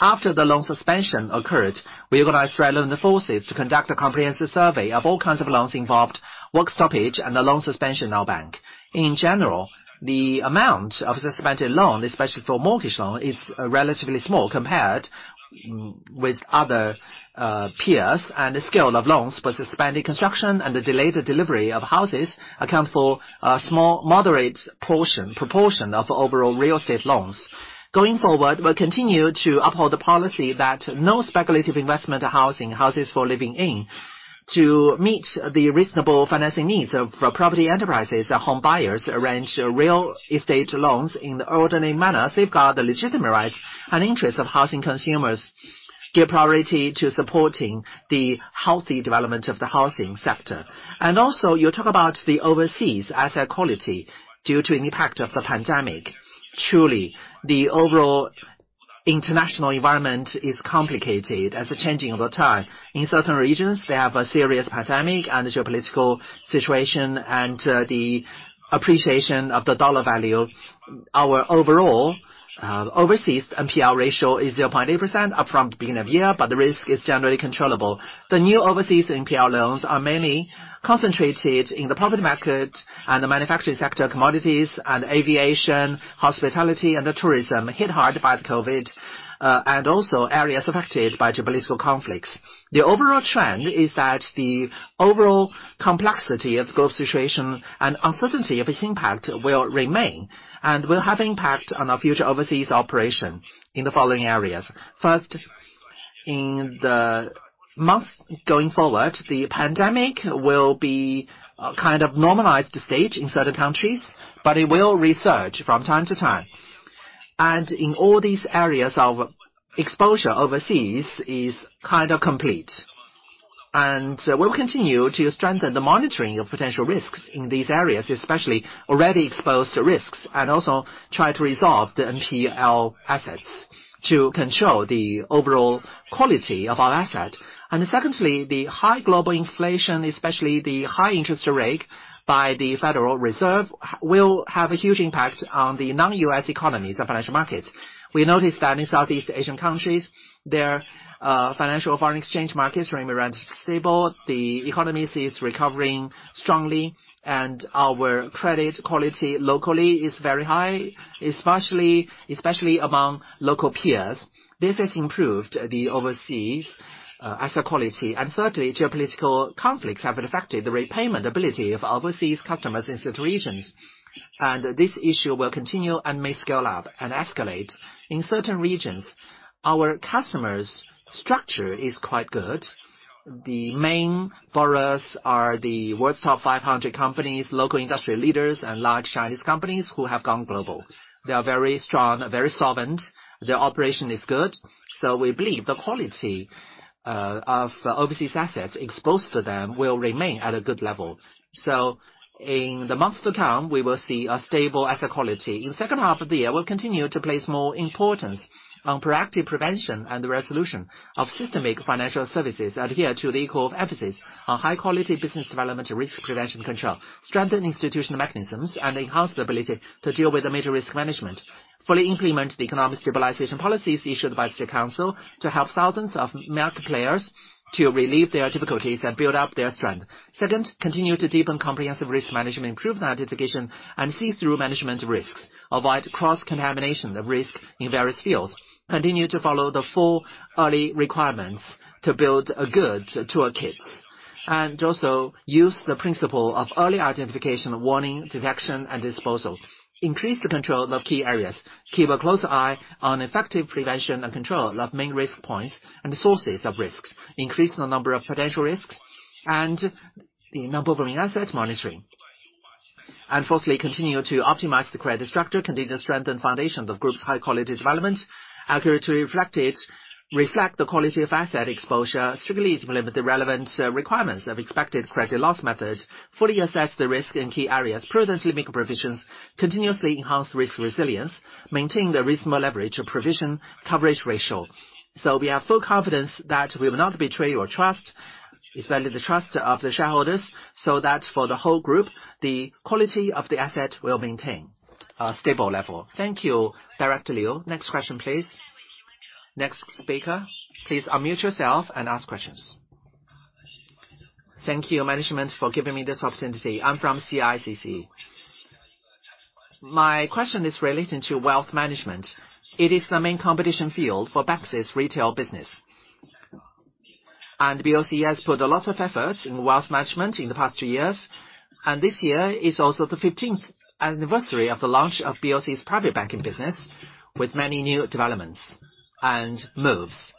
After the loan suspension occurred, we organized relevant forces to conduct a comprehensive survey of all kinds of loans involved, work stoppage, and the loan suspension in our bank. In general, the amount of suspended loan, especially for mortgage loan, is relatively small compared with other peers and the scale of loans for suspended construction and the delayed delivery of houses account for a small moderate proportion of overall real estate loans. Going forward, we'll continue to uphold the policy that no speculative investment housing, houses for living in, to meet the reasonable financing needs of property enterprises and home buyers, arrange real estate loans in the ordinary manner, safeguard the legitimate rights and interests of housing consumers, give priority to supporting the healthy development of the housing sector. Also, you talk about the overseas asset quality due to impact of the pandemic. Truly, the overall international environment is complicated as the changing of the times. In certain regions, they have a serious pandemic and geopolitical situation and the appreciation of the dollar value. Our overall overseas NPL ratio is 0.8% up from the beginning of the year, but the risk is generally controllable. The new overseas NPL loans are mainly concentrated in the property market and the manufacturing sector, commodities and aviation, hospitality and the tourism hit hard by the COVID, and also areas affected by geopolitical conflicts. The overall trend is that the overall complexity of the global situation and uncertainty of its impact will remain and will have impact on our future overseas operation in the following areas. First, in the months going forward, the pandemic will be kind of normalized stage in certain countries, but it will resurge from time to time. In all these areas, our exposure overseas is kind of complete. We'll continue to strengthen the monitoring of potential risks in these areas, especially already exposed risks, and also try to resolve the NPL assets. To control the overall quality of our asset. Secondly, the high global inflation, especially the high interest rate by the Federal Reserve, will have a huge impact on the non-U.S. economies and financial market. We noticed that in Southeast Asian countries, their financial foreign exchange markets remain stable, the economies is recovering strongly, and our credit quality locally is very high, especially among local peers. This has improved the overseas asset quality. Thirdly, geopolitical conflicts have affected the repayment ability of overseas customers in such regions. This issue will continue and may scale up and escalate in certain regions. Our customers' structure is quite good. The main borrowers are the world's top 500 companies, local industry leaders, and large Chinese companies who have gone global. They are very strong, very solvent. Their operation is good. We believe the quality of overseas assets exposed to them will remain at a good level. In the months to come, we will see a stable asset quality. In the H2 of the year, we'll continue to place more importance on proactive prevention and the resolution of systemic financial risks, adhere to the equal emphasis on high-quality business development and risk prevention control, strengthen institutional mechanisms, and enhance the ability to deal with the major risk management. Fully implement the economic stabilization policies issued by the State Council to help thousands of market players to relieve their difficulties and build up their strength. Second, continue to deepen comprehensive risk management, improve identification, and see through management risks. Avoid cross-contamination of risk in various fields. Continue to follow the four early requirements to build a good toolkit. Also use the principle of early identification, early warning, early exposure, and early disposal. Increase the control of key areas. Keep a close eye on effective prevention and control of main risk points and the sources of risks. Increase the number of potential risks and the non-performing asset monitoring. Fourthly, continue to optimize the credit structure, continue to strengthen foundations of group's high-quality development. Accurately reflect it, reflect the quality of asset exposure. Strictly implement the relevant requirements of expected credit loss method. Fully assess the risk in key areas. Prudently make provisions. Continuously enhance risk resilience. Maintain the reasonable level of provision coverage ratio. We have full confidence that we will not betray your trust, especially the trust of the shareholders, so that for the whole group, the quality of the asset will maintain a stable level. Thank you, Director Liu. Next question, please. Next speaker, please unmute yourself and ask questions. Thank you, management, for giving me this opportunity. I'm from CICC. My question is relating to wealth management. It is the main competition field for banks' retail business. BOC has put a lot of effort in wealth management in the past two years, and this year is also the fifteenth anniversary of the launch of BOC's private banking business, with many new developments and moves.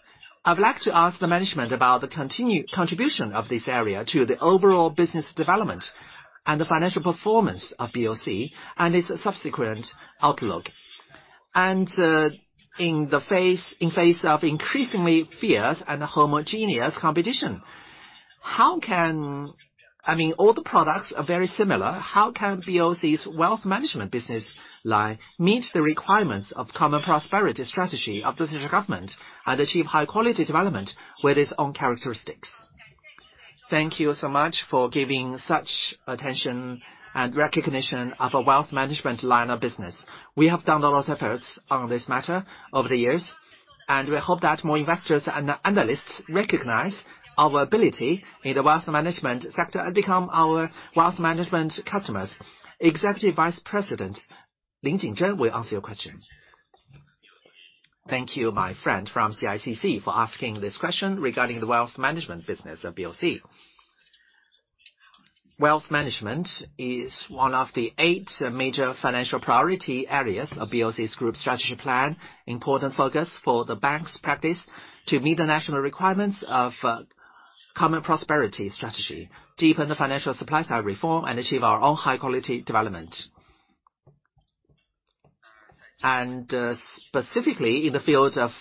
I would like to ask the management about the contribution of this area to the overall business development and the financial performance of BOC and its subsequent outlook. In the face of increasingly fierce and homogeneous competition, how can I mean, all the products are very similar. How can BOC's wealth management business line meet the requirements of common prosperity strategy of the state government and achieve high quality development with its own characteristics? Thank you so much for giving such attention and recognition of our wealth management line of business. We have done a lot of efforts on this matter over the years, and we hope that more investors and analysts recognize our ability in the wealth management sector and become our wealth management customers. Executive Vice President Lin Jingzhen will answer your question. Thank you, my friend from CICC, for asking this question regarding the wealth management business of BOC. Wealth management is one of the eight major financial priority areas of BOC's group strategy plan, important focus for the bank's practice to meet the national requirements of common prosperity strategy, deepen the financial supply side reform, and achieve our own high quality development. Specifically in the field of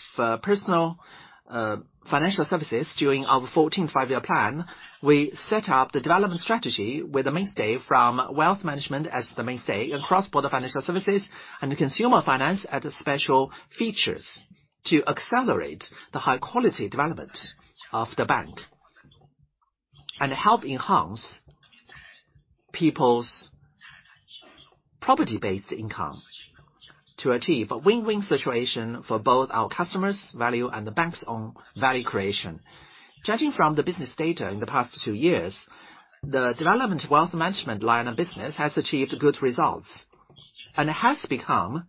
personal financial services during our Fourteenth Five-Year Plan, we set up the development strategy with wealth management as the mainstay and cross-border financial services and consumer finance as special features to accelerate the high-quality development of the bank and help enhance people's property-based income to achieve a win-win situation for both our customers' value and the bank's own value creation. Judging from the business data in the past 2 years, the development wealth management line of business has achieved good results. It has become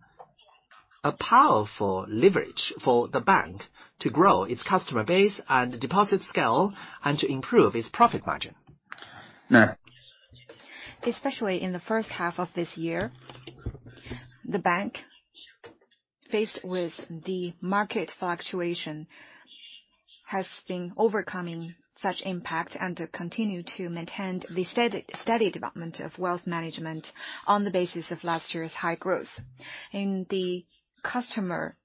a powerful leverage for the bank to grow its customer base and deposit scale and to improve its profit margin. Especially in the H1 of this year, the bank, faced with the market fluctuation, has been overcoming such impact and to continue to maintain the steady development of wealth management on the basis of last year's high growth. In the customer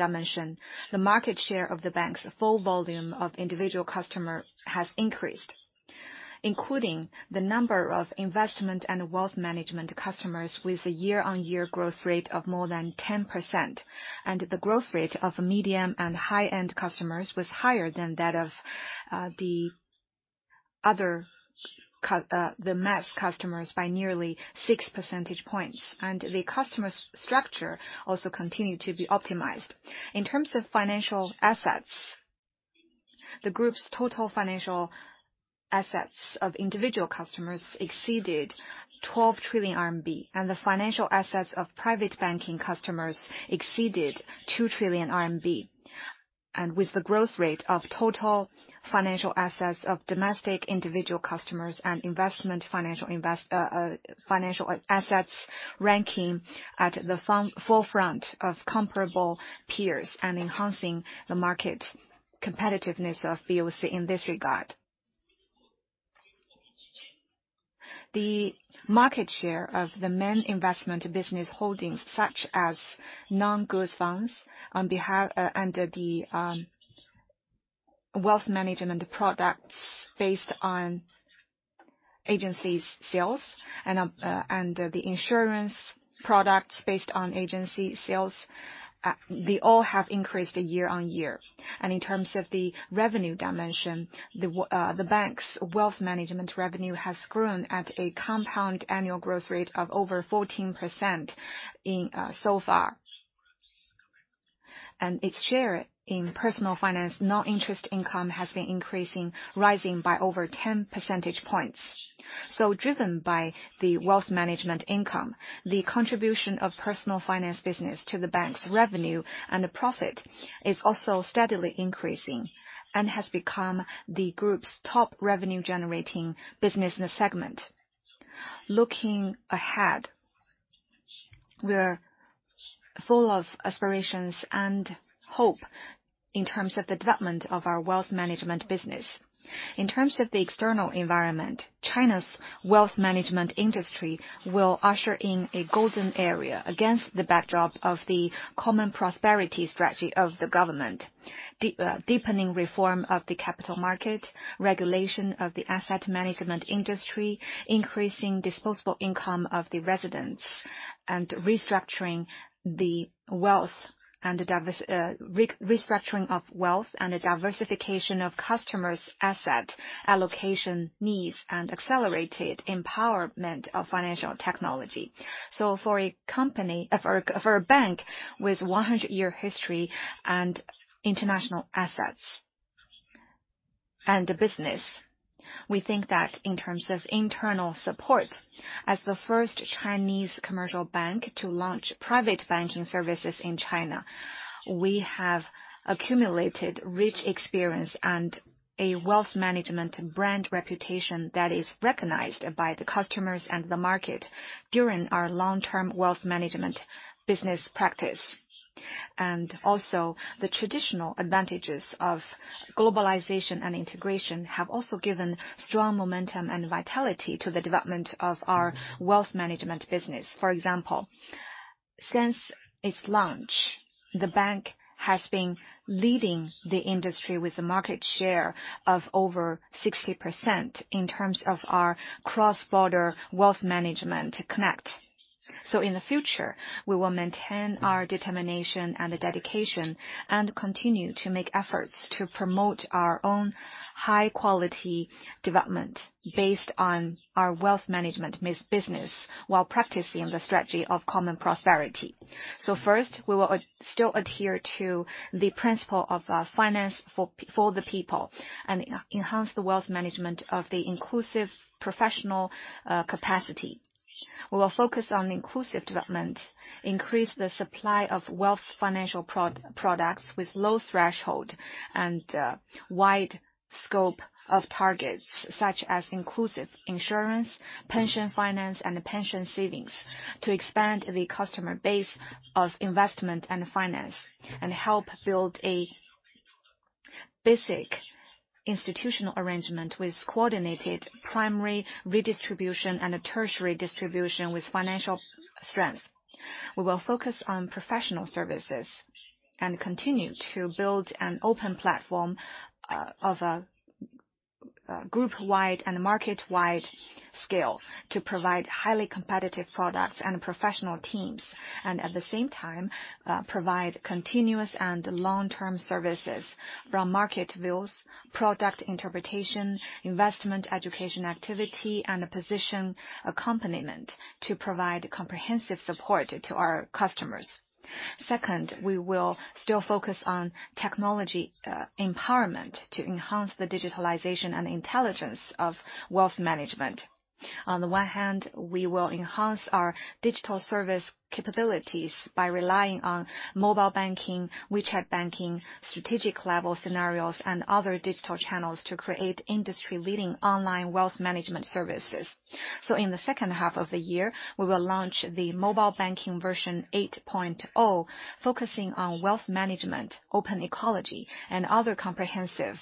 dimension, the market share of the bank's full volume of individual customer has increased. Including the number of investment and wealth management customers with a year-on-year growth rate of more than 10%, and the growth rate of medium and high-end customers was higher than that of the mass customers by nearly six percentage points. The customer structure also continued to be optimized. In terms of financial assets, the group's total financial assets of individual customers exceeded 12 trillion RMB, and the financial assets of private banking customers exceeded 2 trillion RMB. With the growth rate of total financial assets of domestic individual customers and investment financial assets ranking at the forefront of comparable peers and enhancing the market competitiveness of BOC in this regard. The market share of the main investment business holdings, such as non-gold funds under the wealth management products based on agency sales and the insurance products based on agency sales, they all have increased year-on-year. In terms of the revenue dimension, the bank's wealth management revenue has grown at a compound annual growth rate of over 14% so far. Its share in personal finance, non-interest income has been increasing, rising by over 10 percentage points. Driven by the wealth management income, the contribution of personal finance business to the bank's revenue and the profit is also steadily increasing, and has become the group's top revenue-generating business segment. Looking ahead, we're full of aspirations and hope in terms of the development of our wealth management business. In terms of the external environment, China's wealth management industry will usher in a golden era against the backdrop of the common prosperity strategy of the government, deepening reform of the capital market, regulation of the asset management industry, increasing disposable income of the residents, and restructuring of wealth and the diversification of customers' asset allocation needs and accelerated empowerment of financial technology. For a bank with 100-year history and international assets and business, we think that in terms of internal support, as the first Chinese commercial bank to launch private banking services in China, we have accumulated rich experience and a wealth management brand reputation that is recognized by the customers and the market during our long-term wealth management business practice. Also, the traditional advantages of globalization and integration have also given strong momentum and vitality to the development of our wealth management business. For example, since its launch, the bank has been leading the industry with a market share of over 60% in terms of our Cross-boundary Wealth Management Connect. In the future, we will maintain our determination and the dedication and continue to make efforts to promote our own high-quality development based on our wealth management business while practicing the strategy of common prosperity. First, we will still adhere to the principle of finance for the people, and enhance the wealth management of the inclusive professional capacity. We will focus on inclusive development, increase the supply of wealth financial products with low threshold and wide scope of targets, such as inclusive insurance, pension finance, and pension savings, to expand the customer base of investment and finance, and help build a basic institutional arrangement with coordinated primary redistribution and a tertiary distribution with financial strength. We will focus on professional services and continue to build an open platform of a group-wide and market-wide scale to provide highly competitive products and professional teams. At the same time, provide continuous and long-term services, from market views, product interpretation, investment education activity, and a position accompaniment to provide comprehensive support to our customers. Second, we will still focus on technology empowerment to enhance the digitalization and intelligence of wealth management. On the one hand, we will enhance our digital service capabilities by relying on mobile banking, WeChat banking, strategic level scenarios, and other digital channels to create industry-leading online wealth management services. In the H2 of the year, we will launch the Mobile Banking 8.0, focusing on wealth management, open ecology, and other comprehensive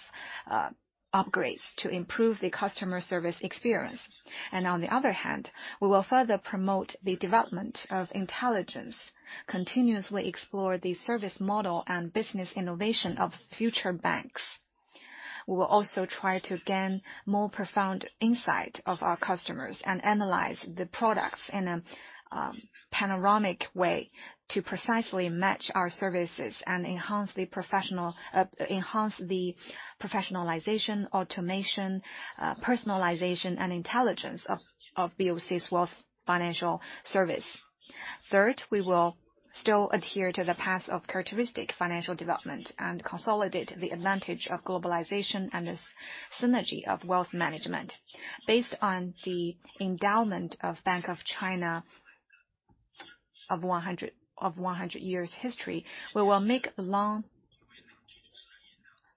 upgrades to improve the customer service experience. On the other hand, we will further promote the development of intelligence, continuously explore the service model and business innovation of future banks. We will also try to gain more profound insight of our customers and analyze the products in a panoramic way to precisely match our services and enhance the professionalization, automation, personalization, and intelligence of BOC's wealth management service. Third, we will still adhere to the path of characteristic financial development and consolidate the advantage of globalization and the synergy of wealth management. Based on the endowment of Bank of China of 100 years history, we will make long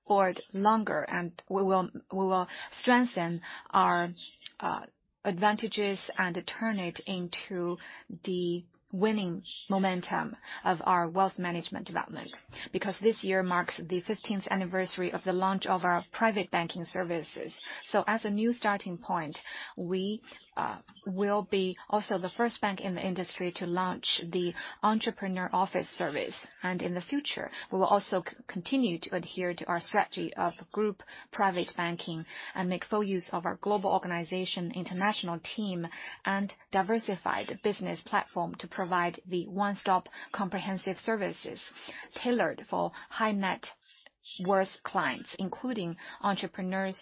board longer, and we will strengthen our advantages and turn it into the winning momentum of our wealth management development. Because this year marks the fifteenth anniversary of the launch of our private banking services. As a new starting point, we will be also the first bank in the industry to launch the Entrepreneur Family Office service. In the future, we will also continue to adhere to our strategy of group private banking and make full use of our global organization international team and diversified business platform to provide the one-stop comprehensive services tailored for high-net-worth clients, including entrepreneurs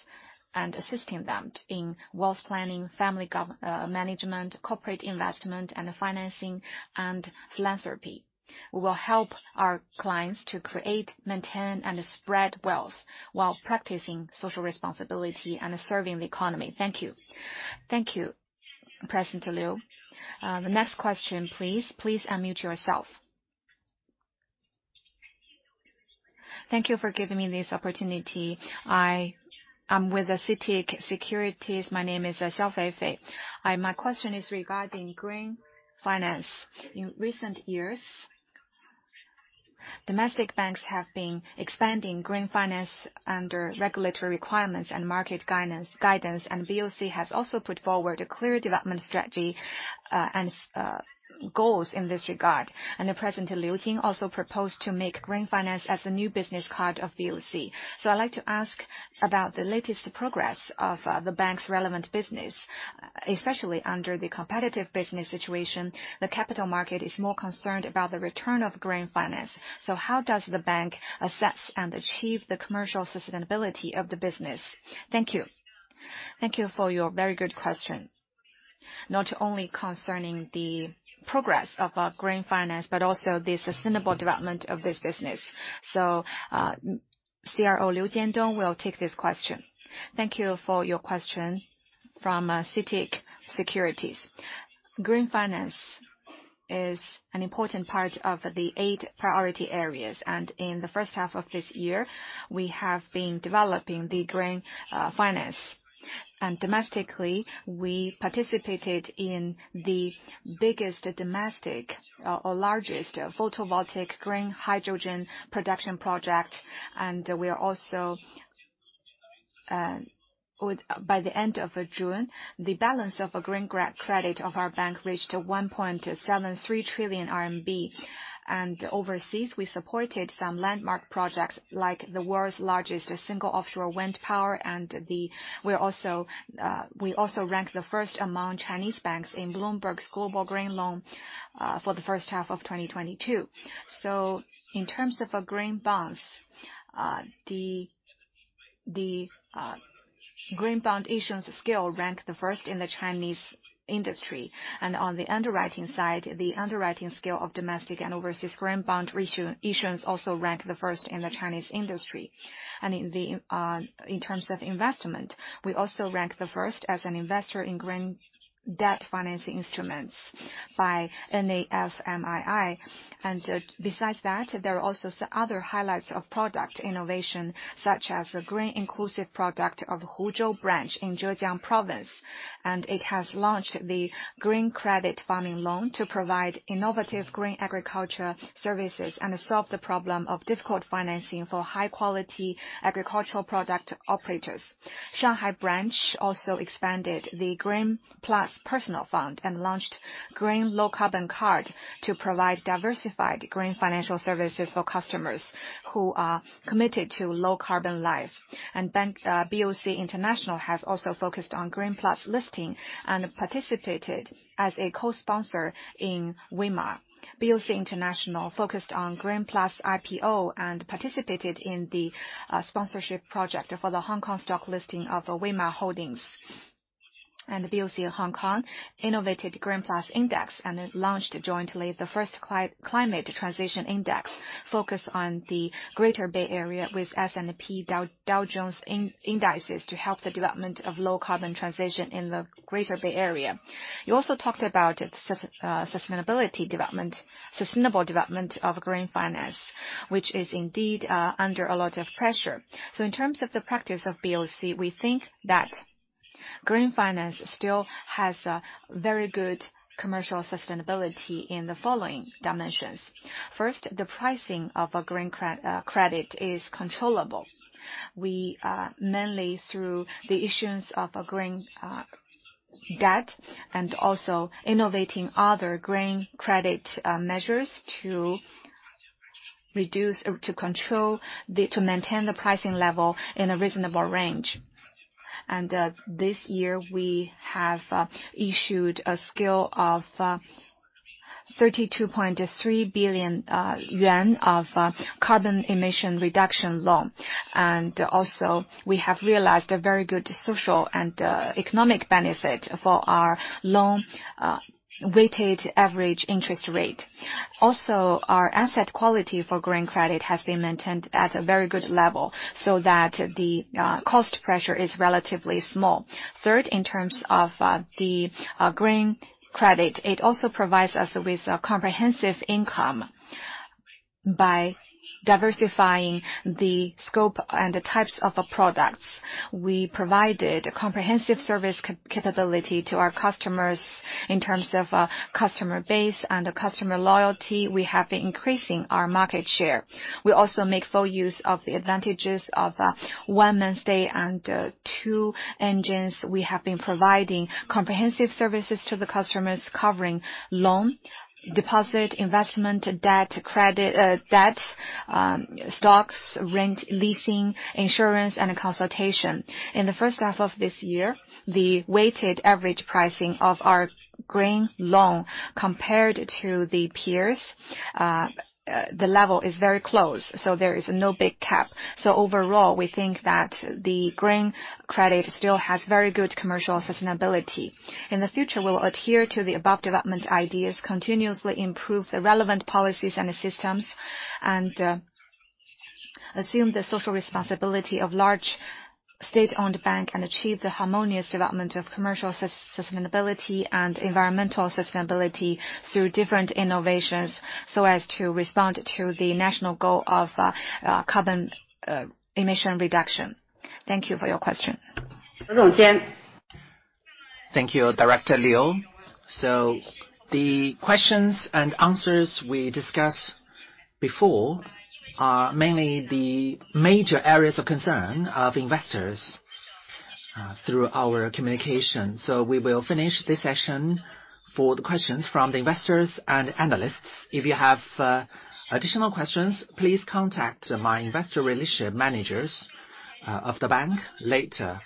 and assisting them in wealth planning, family management, corporate investment, and financing and philanthropy. We will help our clients to create, maintain, and spread wealth while practicing social responsibility and serving the economy. Thank you. Thank you, President Liu. The next question, please. Please unmute yourself. Thank you for giving me this opportunity. I am with CITIC Securities. My name is Xia Feifei. My question is regarding green finance. In recent years, domestic banks have been expanding green finance under regulatory requirements and market guidance, and BOC has also put forward a clear development strategy and goals in this regard. President Liu Jin also proposed to make green finance as a new business card of BOC. I'd like to ask about the latest progress of the bank's relevant business. Especially under the competitive business situation, the capital market is more concerned about the return of green finance. How does the bank assess and achieve the commercial sustainability of the business? Thank you. Thank you for your very good question. Not only concerning the progress of our green finance, but also the sustainable development of this business. CRO Liu Jiandong will take this question. Thank you for your question from CITIC Securities. Green finance is an important part of the eight priority areas, and in the H1 of this year, we have been developing the green finance. Domestically, we participated in the biggest domestic or largest photovoltaic green hydrogen production project, and we are also. By the end of June, the balance of green credit of our bank reached 1.73 trillion RMB. Overseas, we supported some landmark projects like the world's largest single offshore wind power and we also ranked the first among Chinese banks in Bloomberg's global green loan for the H1 of 2022. In terms of our green bonds, the green bond issuance scale ranked the first in the Chinese industry. On the underwriting side, the underwriting scale of domestic and overseas green bond issuance also ranked the first in the Chinese industry. In terms of investment, we also ranked the first as an investor in green debt financing instruments by NAFMII. Besides that, there are also other highlights of product innovation, such as the green inclusive product of Huzhou Branch in Zhejiang Province, and it has launched the green credit farming loan to provide innovative green agriculture services and solve the problem of difficult financing for high-quality agricultural product operators. Shanghai Branch also expanded the Green Plus personal fund and launched Green, Low-carbon Card to provide diversified green financial services for customers who are committed to low-carbon life. BOC International has also focused on Green Plus listing and participated as a co-sponsor in WM Motor. BOC International focused on Green Plus IPO and participated in the sponsorship project for the Hong Kong stock listing of WM Motor Holdings. BOC Hong Kong innovated Green Plus index and it launched jointly the first climate transition index focused on the Greater Bay Area with S&P Dow Jones Indices to help the development of low-carbon transition in the Greater Bay Area. You also talked about sustainable development of green finance, which is indeed under a lot of pressure. In terms of the practice of BOC, we think that green finance still has a very good commercial sustainability in the following dimensions. First, the pricing of a green credit is controllable. We mainly through the issuance of a green Debt also innovating other green credit measures to reduce or to control to maintain the pricing level in a reasonable range. This year, we have issued a scale of 32.3 billion yuan of carbon emission reduction loan. We have realized a very good social and economic benefit for our loan weighted average interest rate. Also, our asset quality for green credit has been maintained at a very good level, so that the cost pressure is relatively small. Third, in terms of the green credit, it also provides us with a comprehensive income. By diversifying the scope and the types of products, we provided comprehensive service capability to our customers in terms of customer base and customer loyalty. We have been increasing our market share. We also make full use of the advantages of One Mainstay and Two Engines. We have been providing comprehensive services to the customers covering loan, deposit, investment, debt, credit, stocks, rent, leasing, insurance, and consultation. In the H1 of this year, the weighted average pricing of our green loan compared to the peers, the level is very close, so there is no big gap. Overall, we think that the green credit still has very good commercial sustainability. In the future, we'll adhere to the above development ideas, continuously improve the relevant policies and systems, and assume the social responsibility of large state-owned bank and achieve the harmonious development of commercial sustainability and environmental sustainability through different innovations, so as to respond to the national goal of carbon emission reduction. Thank you for your question. Thank you, Director Liu. The questions and answers we discussed before are mainly the major areas of concern of investors through our communication. We will finish this session for the questions from the investors and analysts. If you have additional questions, please contact my investor relationship managers of the bank later.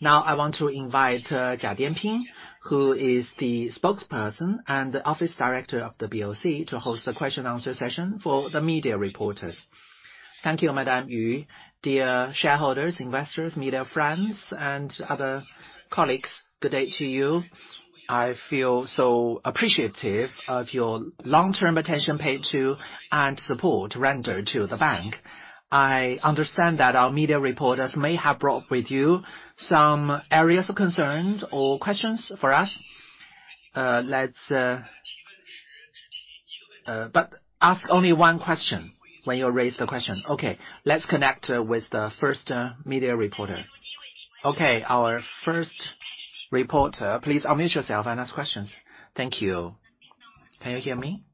Now, I want to invite Mei Feiqi, who is the spokesperson and the office director of the BOC, to host the question and answer session for the media reporters. Thank you, Madam Yu. Dear shareholders, investors, media friends, and other colleagues, good day to you. I feel so appreciative of your long-term attention paid to and support rendered to the bank. I understand that our media reporters may have brought with you some areas of concerns or questions for us. Let's ask only one question when you raise the question. Okay. Let's connect with the first media reporter. Okay. Our first reporter, please unmute yourself and ask questions. Thank you. Can you hear me?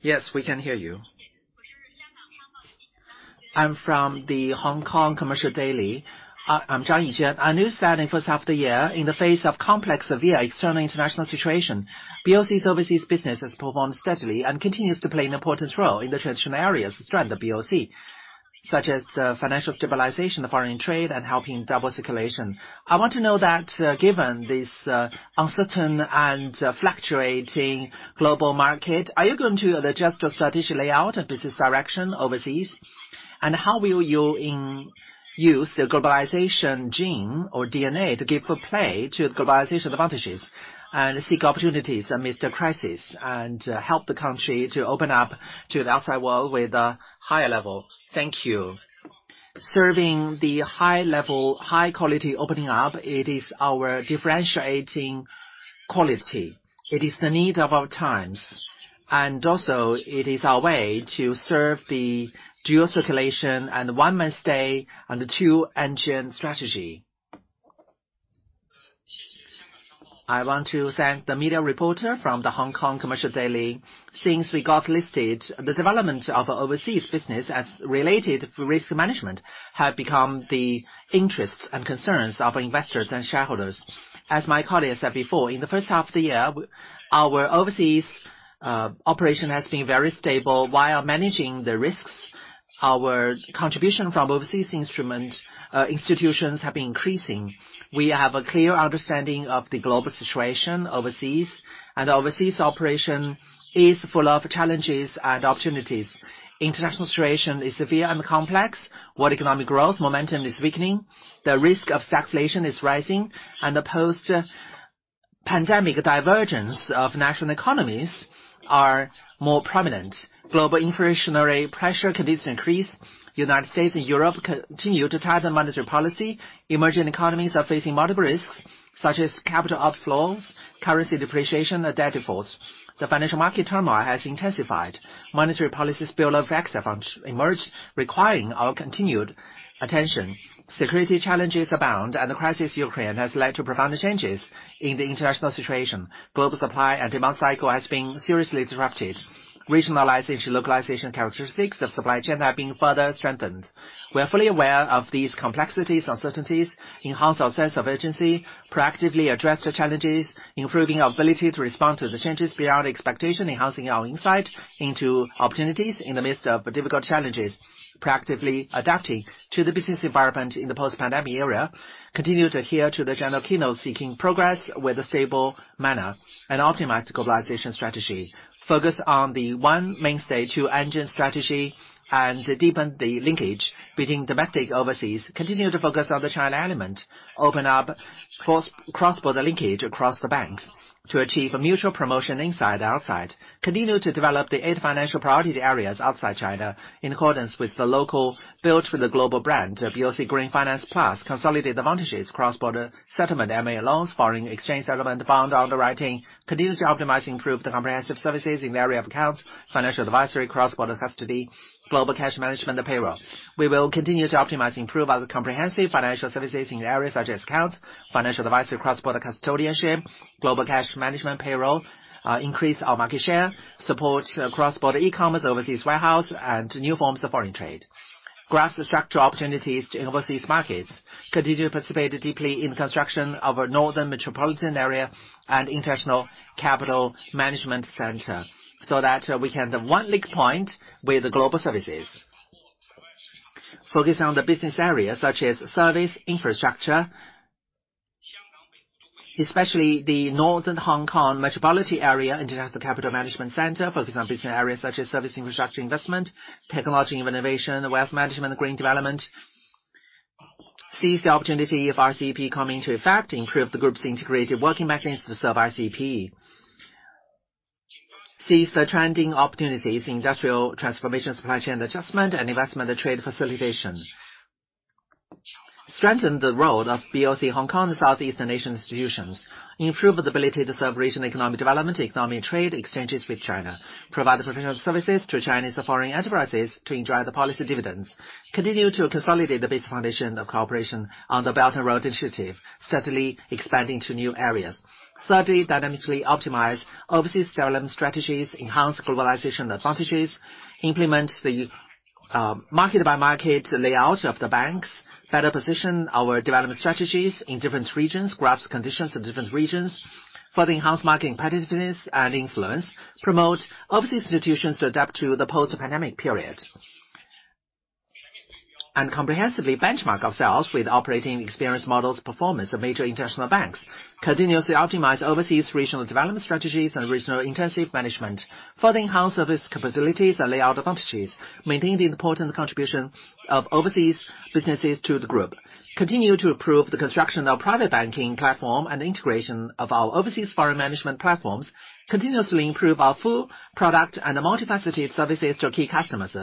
Yes, we can hear you. I'm from the Hong Kong Commercial Daily. I'm Zhou Yijun. In the H2 of the year, in the face of complex, severe external international situation, BOC's overseas business has performed steadily and continues to play an important role in the traditional areas throughout the BOC, such as financial stabilization, foreign trade, and helping dual circulation. I want to know that, given this uncertain and fluctuating global market, are you going to adjust your strategic layout and business direction overseas? How will you use the globalization gene or DNA to give play to the globalization advantages and seek opportunities amidst the crisis and help the country to open up to the outside world with a higher level? Thank you. Serving the high level, high quality opening up, it is our differentiating quality. It is the need of our times. It is our way to serve the dual circulation and One Mainstay and the two engines strategy. I want to thank the media reporter from the Hong Kong Commercial Daily. Since we got listed, the development of our overseas business and related risk management have become the interests and concerns of investors and shareholders. As my colleague said before, in the H1 of the year, our overseas operation has been very stable while managing the risks. Our contribution from overseas institutions have been increasing. We have a clear understanding of the global situation overseas, and overseas operation is full of challenges and opportunities. International situation is severe and complex. World economic growth momentum is weakening. The risk of stagflation is rising. The post-pandemic divergence of national economies are more prominent. Global inflationary pressures continue to increase. United States and Europe continue to tighten monetary policy. Emerging economies are facing multiple risks, such as capital outflows, currency depreciation, and debt defaults. The financial market turmoil has intensified. Monetary policy spillover effects have emerged, requiring our continued attention. Security challenges abound and the crisis in Ukraine has led to profound changes in the international situation. Global supply and demand cycle has been seriously disrupted. Regionalization, localization characteristics of supply chain have been further strengthened. We are fully aware of these complexities, uncertainties, enhance our sense of urgency, proactively address the challenges, improving our ability to respond to the changes beyond expectation, enhancing our insight into opportunities in the midst of difficult challenges. Proactively adapting to the business environment in the post-pandemic era. Continue to adhere to the general keynote, seeking progress with a stable manner. Optimize the globalization strategy. Focus on the one mainstay, two engines strategy. Deepen the linkage between domestic overseas. Continue to focus on the China element. Open up cross-border linkage across the banks to achieve a mutual promotion inside, outside. Continue to develop the eight financial priority areas outside China in accordance with the local built for the global brand, BOC Green Finance Plus. Consolidate advantages, cross-border settlement and loans, foreign exchange settlement, bond underwriting. Continue to optimize and improve the comprehensive services in the area of accounts, financial advisory, cross-border custody, global cash management, and payroll. We will continue to optimize and improve our comprehensive financial services in areas such as accounts, financial advisory, cross-border custodianship, global cash management, payroll. Increase our market share, support cross-border e-commerce, overseas warehouse, and new forms of foreign trade. Grasp the structural opportunities to overseas markets. Continue to participate deeply in construction of a Northern Metropolis and international capital management center, so that we can have one link point with the global services. Focus on the business areas such as service, infrastructure, especially the northern Hong Kong metropolitan area, international capital management center. Focus on business areas such as service infrastructure investment, technology, innovation, wealth management, green development. Seize the opportunity of RCEP coming into effect. Improve the group's integrated working mechanisms to serve RCEP. Seize the trending opportunities, industrial transformation, supply chain adjustment, and investment trade facilitation. Strengthen the role of BOC Hong Kong Southeast Asian institutions. Improve the ability to serve regional economic development, economic trade exchanges with China. Provide professional services to Chinese foreign enterprises to enjoy the policy dividends. Continue to consolidate the base foundation of cooperation on the Belt and Road Initiative, steadily expanding to new areas. Thirdly, dynamically optimize overseas development strategies, enhance globalization advantages. Implement the market-by-market layout of the banks. Better position our development strategies in different regions. Grasp conditions in different regions. Further enhance market competitiveness and influence. Promote overseas institutions to adapt to the post-pandemic period. Comprehensively benchmark ourselves with operating experience models, performance of major international banks. Continuously optimize overseas regional development strategies and regional intensive management. Further enhance service capabilities and layout advantages. Maintain the important contribution of overseas businesses to the group. Continue to improve the construction of private banking platform and integration of our overseas wealth management platforms. Continuously improve our full product and multifaceted services to key customers.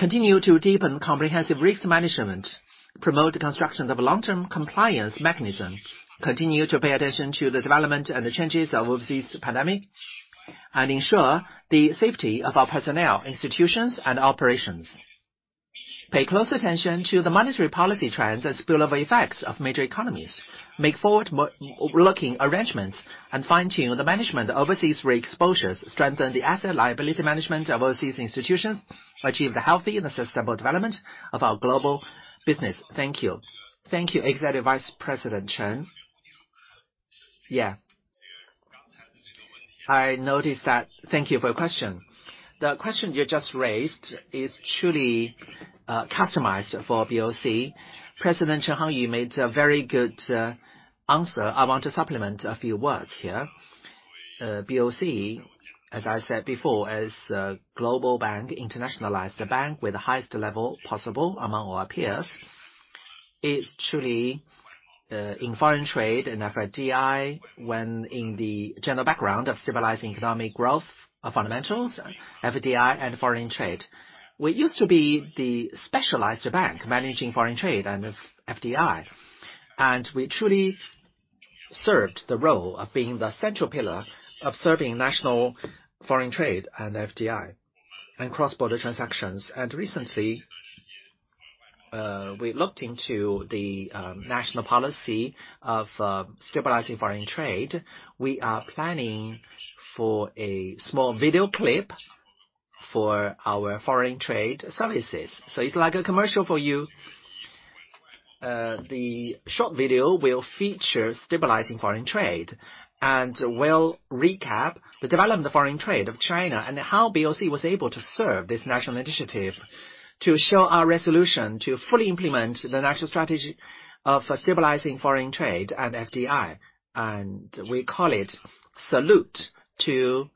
Continue to deepen comprehensive risk management. Promote the construction of long-term compliance mechanism. Continue to pay attention to the development and the changes of overseas pandemic, and ensure the safety of our personnel, institutions, and operations. Pay close attention to the monetary policy trends and spillover effects of major economies. Make forward-looking arrangements and fine-tune the management of overseas risk exposures. Strengthen the asset-liability management of overseas institutions to achieve the healthy and sustainable development of our global business. Thank you. Thank you, Executive Vice President Chen. Yeah. I noticed that. Thank you for your question. The question you just raised is truly, customized for BOC. President Chen Huaiyu made a very good answer. I want to supplement a few words here. BOC, as I said before, as a global bank, internationalized bank with the highest level possible among our peers, is truly in foreign trade and FDI, when in the general background of stabilizing economic growth fundamentals, FDI and foreign trade. We used to be the specialized bank managing foreign trade and FDI, and we truly served the role of being the central pillar of serving national foreign trade and FDI and cross-border transactions. Recently, we looked into the national policy of stabilizing foreign trade. We are planning for a small video clip for our foreign trade services. It's like a commercial for you. The short video will feature stabilizing foreign trade and will recap the development of foreign trade of China and how BOC was able to serve this national initiative to show our resolution to fully implement the national strategy of stabilizing foreign trade and FDI. We call it Salute to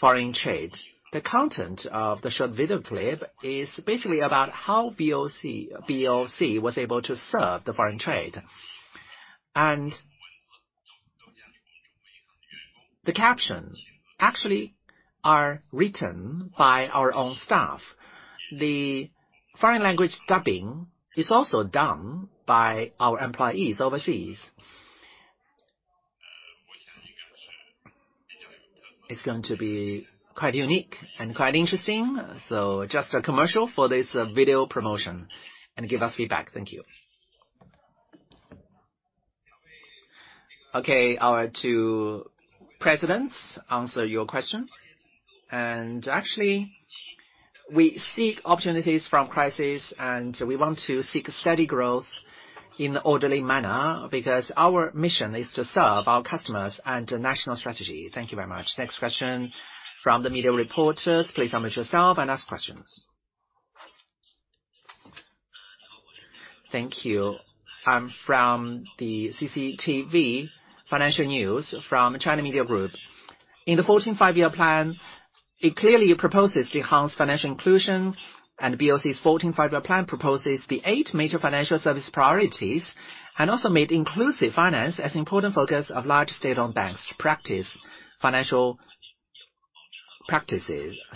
Foreign Trade. The content of the short video clip is basically about how BOC was able to serve the foreign trade. The captions actually are written by our own staff. The foreign language dubbing is also done by our employees overseas. It's going to be quite unique and quite interesting. Just a commercial for this video promotion and give us feedback. Thank you. Okay, our two presidents answer your question. Actually, we seek opportunities from crisis, and we want to seek steady growth in an orderly manner because our mission is to serve our customers and the national strategy. Thank you very much. Next question from the media reporters. Please introduce yourself and ask questions. Thank you. I'm from the CCTV Finance from China Media Group. In the Fourteenth Five-Year Plan, it clearly proposes to enhance inclusive finance, and BOC's Fourteenth Five-Year Plan proposes the eight major financial service priorities and also made inclusive finance as important focus of large state-owned banks to practice financial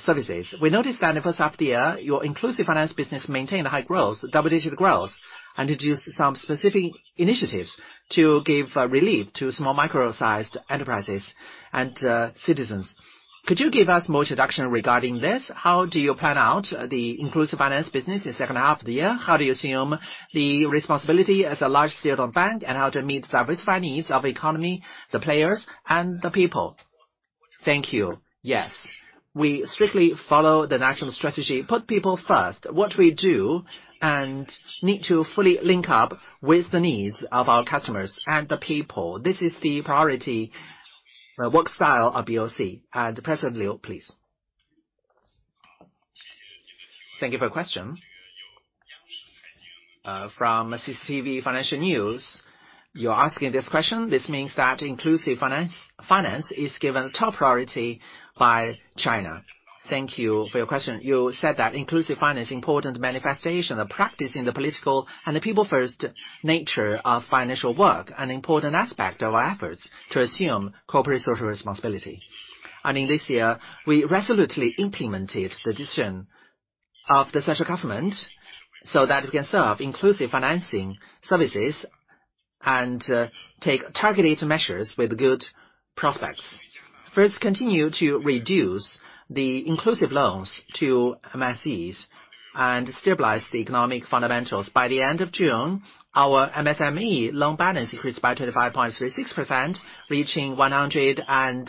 services. We noticed that in the H1 of the year, your inclusive finance business maintained a high growth, double-digit growth, and introduced some specific initiatives to give relief to micro and small enterprises and citizens. Could you give us more introduction regarding this? How do you plan out the inclusive finance business in the H2 of the year? How do you assume the responsibility as a large state-owned bank? How to meet diversified needs of economy, the players, and the people? Thank you. Yes. We strictly follow the national strategy, put people first. What we do and need to fully link up with the needs of our customers and the people. This is the priority work style of BOC. President Liu, please. Thank you for your question. From CCTV Finance. You're asking this question. This means that inclusive finance is given top priority by China. Thank you for your question. You said that inclusive finance important manifestation of practice in the political and the people-first nature of financial work, an important aspect of our efforts to assume corporate social responsibility. In this year, we resolutely implemented the decision of the social government so that it can serve inclusive financing services and take targeted measures with good prospects. First, continue to reduce the inclusive loans to MSEs and stabilize the economic fundamentals. By the end of June, our MSME loan balance increased by 25.36%, reaching 100 and...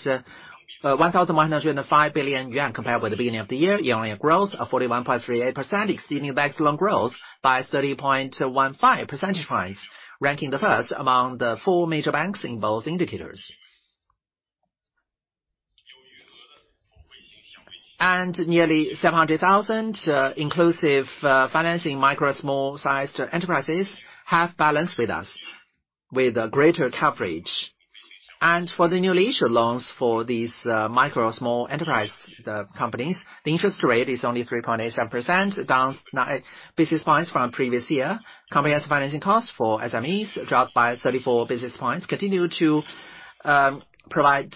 1,105 billion yuan compared with the beginning of the year, yielding a growth of 41.38%, exceeding bank's loan growth by 30.15 percentage points, ranking first among the four major banks in both indicators. Nearly 700,000 inclusive financing micro- and small-sized enterprises have balances with us with a greater coverage. For the newly issued loans for these micro- and small-sized enterprises, the companies, the interest rate is only 3.87%, down 9 basis points from previous year. Company has financing costs for SMEs dropped by 34 basis points, continue to provide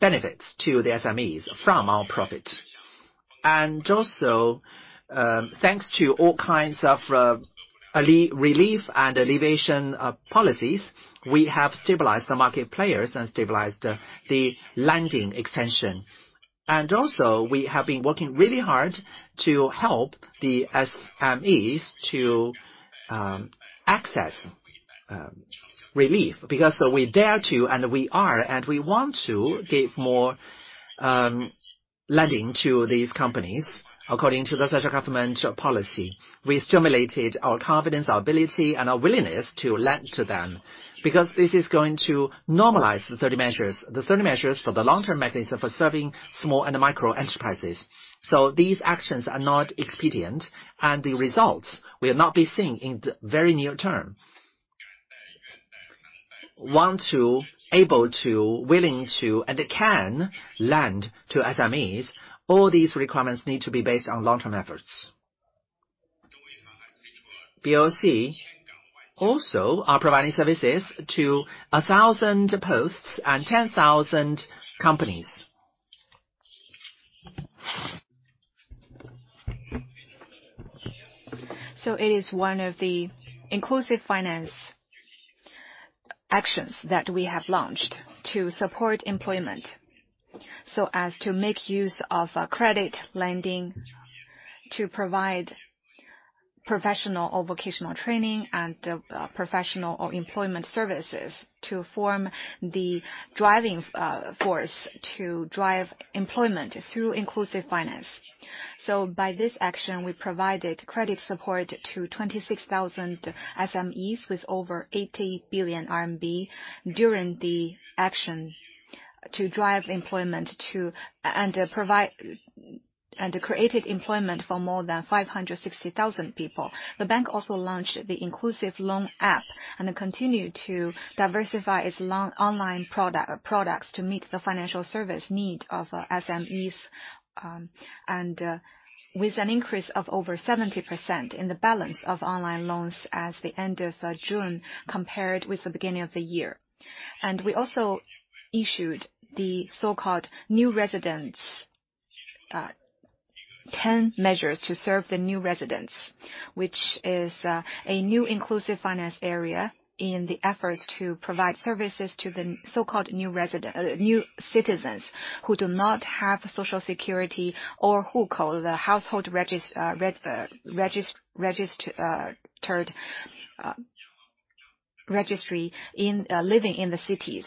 benefits to the SMEs from our profit. Thanks to all kinds of relief and alleviation policies, we have stabilized the market players and stabilized employment. We have been working really hard to help the SMEs to access relief because we dare to, and we are, and we want to give more lending to these companies according to the state government policy. We stimulated our confidence, our ability, and our willingness to lend to them because this is going to normalize the 30 Measures for the Long-acting Mechanism of Serving Micro and Small Enterprises. These actions are not expedient, and the results will not be seen in the very near term. Want to, able to, willing to, and can lend to SMEs, all these requirements need to be based on long-term efforts. BOC also are providing services to 1,000 posts and 10,000 companies. It is one of the inclusive finance actions that we have launched to support employment so as to make use of credit lending to provide professional or vocational training and professional or employment services to form the driving force to drive employment through inclusive finance. By this action, we provided credit support to 26,000 SMEs with over 80 billion RMB during the action to drive employment and provide and created employment for more than 560,000 people. The bank also launched the Inclusive Loan app and continued to diversify its online products to meet the financial service need of SMEs, and with an increase of over 70% in the balance of online loans at the end of June, compared with the beginning of the year. We also issued the so-called new residents Ten measures to serve the new residents, which is a new inclusive finance area in the efforts to provide services to the so-called new citizens who do not have social security or who lack the household registration in living in the cities.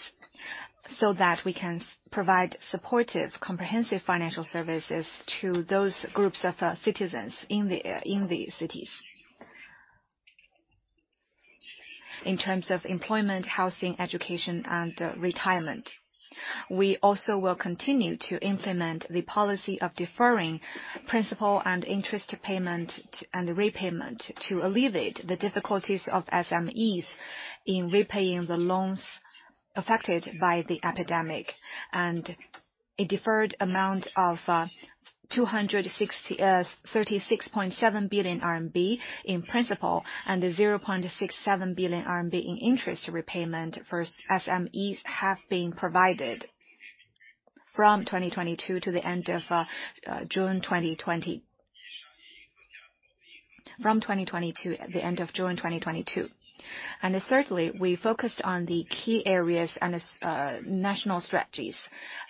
We can provide supportive comprehensive financial services to those groups of citizens in the cities. In terms of employment, housing, education, and retirement. We also will continue to implement the policy of deferring principal and interest payment and repayment to alleviate the difficulties of SMEs in repaying the loans affected by the epidemic. A deferred amount of 260... 36.7 billion RMB in principal and 0.67 billion RMB in interest repayment for SMEs have been provided from 2022 to the end of June 2022. Thirdly, we focused on the key areas and the national strategies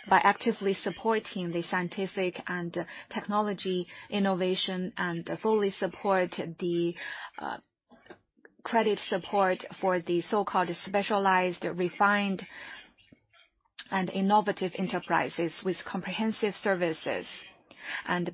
by actively supporting the scientific and technological innovation, and fully support the credit support for the so-called specialized, refined, and innovative enterprises with comprehensive services.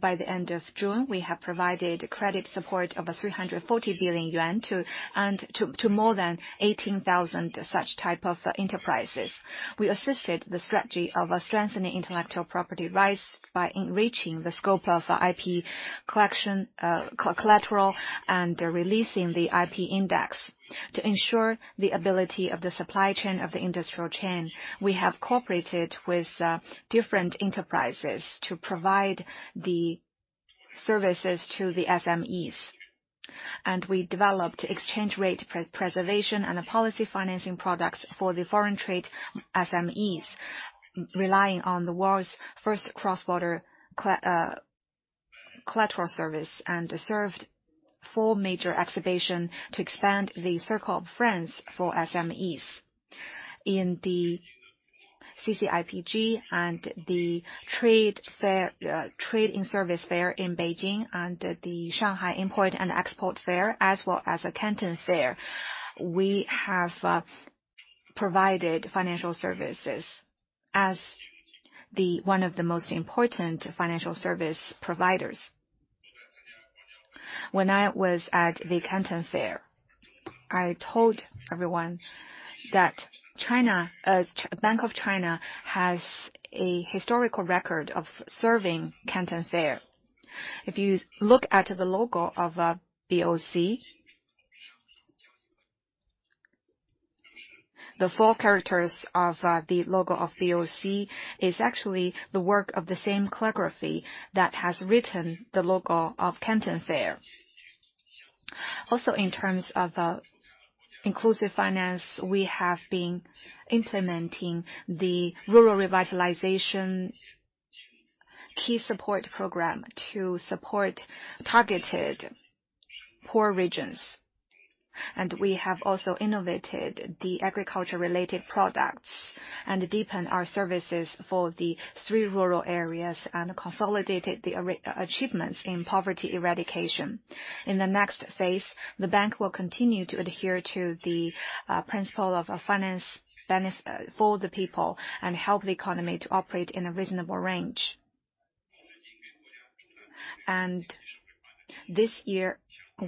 By the end of June, we have provided credit support of 340 billion yuan to more than 18,000 such type of enterprises. We assisted the strategy of strengthening intellectual property rights by enriching the scope of IP collection, collateral, and releasing the IP index. To ensure the ability of the supply chain of the industrial chain, we have cooperated with different enterprises to provide the services to the SMEs. We developed exchange rate preservation and policy financing products for the foreign trade SMEs, relying on the world's first cross-border collateral service, and served 4 major exhibition to expand the circle of friends for SMEs. In the CCIPG and the CIFTIS in Beijing and the CIIE, as well as the Canton Fair, we have provided financial services as one of the most important financial service providers. When I was at the Canton Fair, I told everyone that China, as Bank of China has a historical record of serving Canton Fair. If you look at the logo of BOC. The four characters of the logo of BOC is actually the work of the same calligraphy that has written the logo of Canton Fair. Also, in terms of inclusive finance, we have been implementing the rural revitalization key support program to support targeted poor regions. We have also innovated the agriculture-related products and deepened our services for the three rural areas and consolidated the achievements in poverty eradication. In the next phase, the bank will continue to adhere to the principle of a finance for the people and help the economy to operate in a reasonable range. This year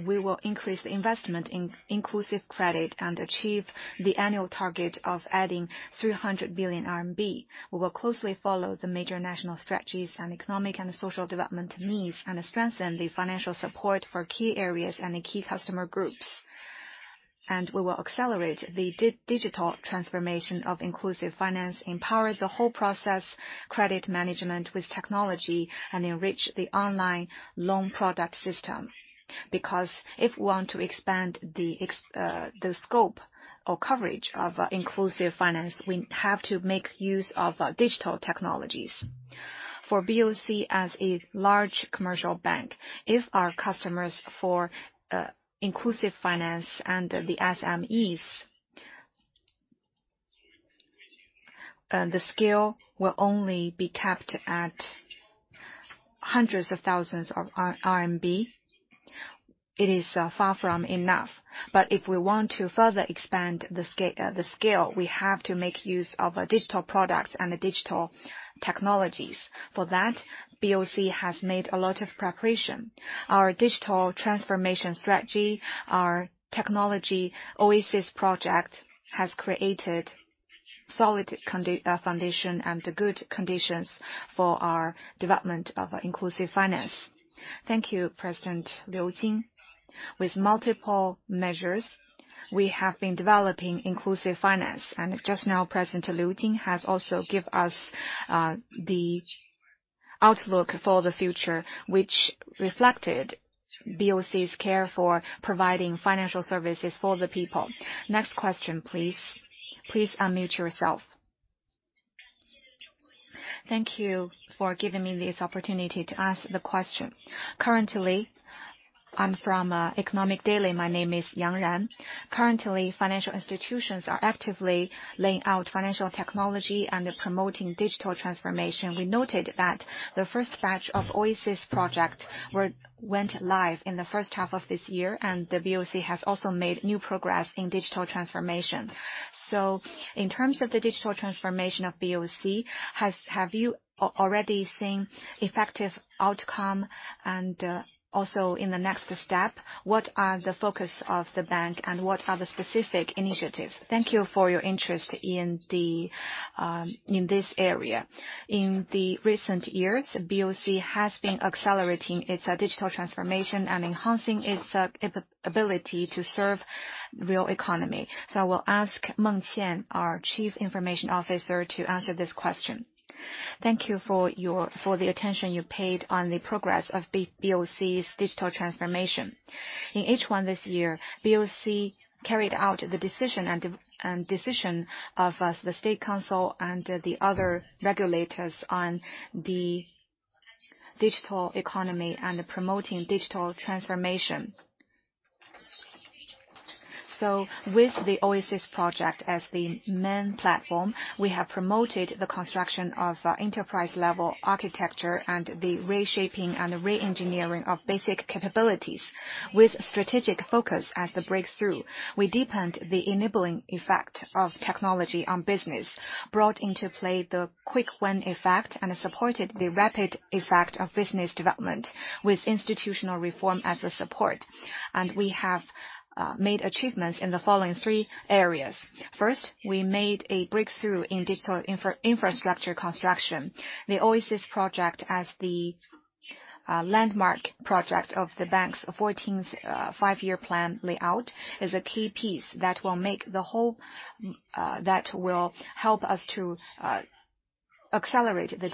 we will increase investment in inclusive credit and achieve the annual target of adding 300 billion RMB. We will closely follow the major national strategies and economic and social development needs, and strengthen the financial support for key areas and the key customer groups. We will accelerate the digital transformation of inclusive finance, empower the whole process credit management with technology, and enrich the online loan product system. Because if we want to expand the scope or coverage of inclusive finance, we have to make use of digital technologies. For BOC as a large commercial bank, if our customers for inclusive finance and the SMEs, the scale will only be capped at hundreds of thousands of RMB, it is far from enough. If we want to further expand the scale, we have to make use of digital products and the digital technologies. For that, BOC has made a lot of preparation. Our digital transformation strategy, our technology Oasis project, has created solid foundation and good conditions for our development of inclusive finance. Thank you, President Liu Jin. With multiple measures, we have been developing inclusive finance. Just now, President Liu Jin has also give us the outlook for the future, which reflected BOC's care for providing financial services for the people. Next question, please. Please unmute yourself. Thank you for giving me this opportunity to ask the question. Currently, I'm from Economic Daily. My name is Yang Ran. Currently, financial institutions are actively laying out financial technology and are promoting digital transformation. We noted that the first batch of Oasis project went live in the H1 of this year, and the BOC has also made new progress in digital transformation. In terms of the digital transformation of BOC, have you already seen effective outcome? Also in the next step, what are the focus of the bank and what are the specific initiatives? Thank you for your interest in this area. In the recent years, BOC has been accelerating its digital transformation and enhancing its capability to serve real economy. I will ask Meng Qian, our Chief Information Officer, to answer this question. Thank you for the attention you paid on the progress of BOC's digital transformation. In H1 this year, BOC carried out the decision of the State Council and the other regulators on the digital economy and promoting digital transformation. With the Oasis project as the main platform, we have promoted the construction of enterprise-level architecture and the reshaping and reengineering of basic capabilities. With strategic focus as the breakthrough, we deepened the enabling effect of technology on business, brought into play the quick win effect, and supported the rapid effect of business development with institutional reform as the support. We have made achievements in the following three areas. First, we made a breakthrough in digital infrastructure construction. The Oasis project as the landmark project of the bank's fourteenth five-year plan layout is a key piece that will help us to accelerate the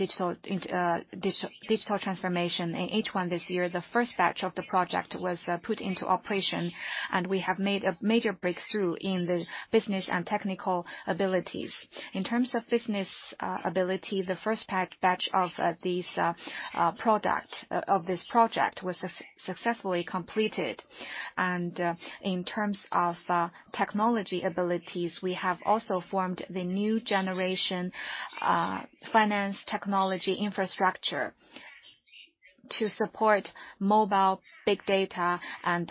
digital transformation. In H1 this year, the first batch of the project was put into operation, and we have made a major breakthrough in the business and technical abilities. In terms of business ability, the first batch of these products of this project was successfully completed. In terms of technology abilities, we have also formed the new generation finance technology infrastructure to support mobile big data and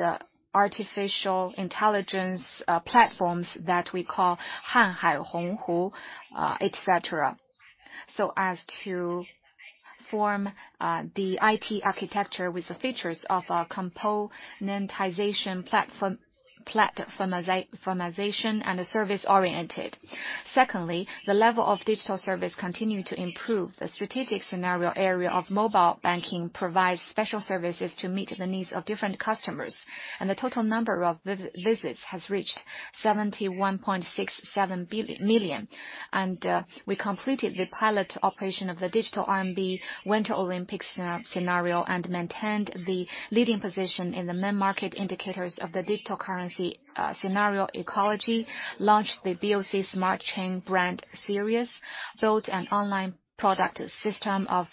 artificial intelligence platforms that we call Hanhai Honghu, etc., so as to form the IT architecture with the features of componentization, platformization and service-oriented. Secondly, the level of digital service continued to improve. The strategic scenario area of mobile banking provides special services to meet the needs of different customers, and the total number of visits has reached 71.67 billion. We completed the pilot operation of the digital RMB Winter Olympics scenario and maintained the leading position in the main market indicators of the digital currency scenario ecology. We launched the BOC Smart Chain brand series, built an online product system of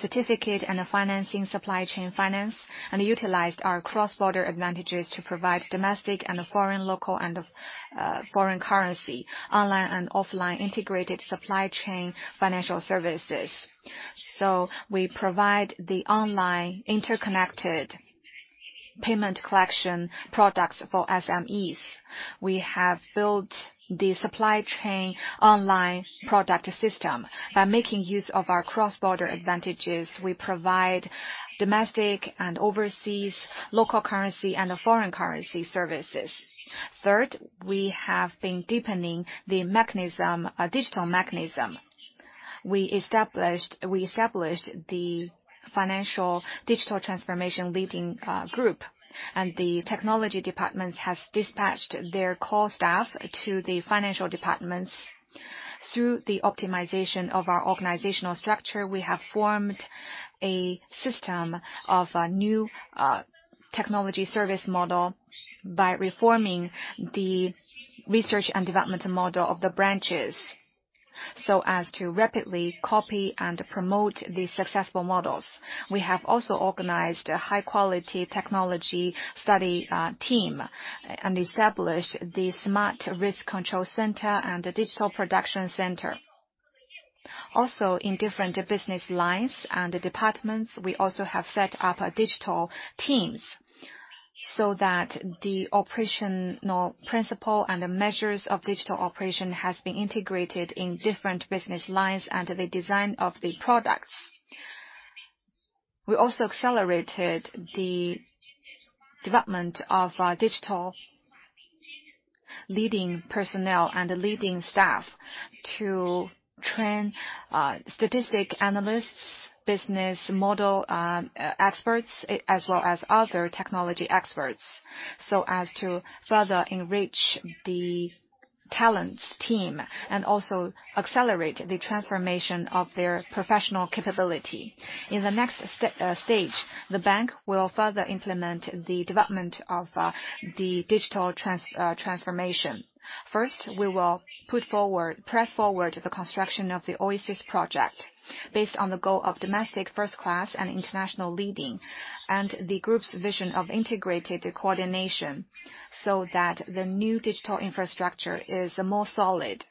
certificate and a financing supply chain finance. We utilized our cross-border advantages to provide domestic and foreign, local and foreign currency, online and offline integrated supply chain financial services. We provide the online interconnected payment collection products for SMEs. We have built the supply chain online product system. By making use of our cross-border advantages, we provide domestic and overseas local currency and foreign currency services. Third, we have been deepening the digital mechanism. We established the financial digital transformation leading group. The technology departments has dispatched their core staff to the financial departments. Through the optimization of our organizational structure, we have formed a system of new technology service model by reforming the research and development model of the branches, so as to rapidly copy and promote the successful models. We have also organized a high-quality technology study team and established the Smart Risk Control Center and the Digital Production Center. Also, in different business lines and departments, we also have set up digital teams so that the operational principle and the measures of digital operation has been integrated in different business lines and the design of the products. We also accelerated the development of digital leading personnel and leading staff to train statistical analysts, business model experts, as well as other technology experts, so as to further enrich the talents team, and also accelerate the transformation of their professional capability. In the next stage, the bank will further implement the development of the digital transformation. First, we will press forward the construction of the Oasis project based on the goal of domestic first class and international leading, and the group's vision of integrated coordination, so that the new digital infrastructure is more solid.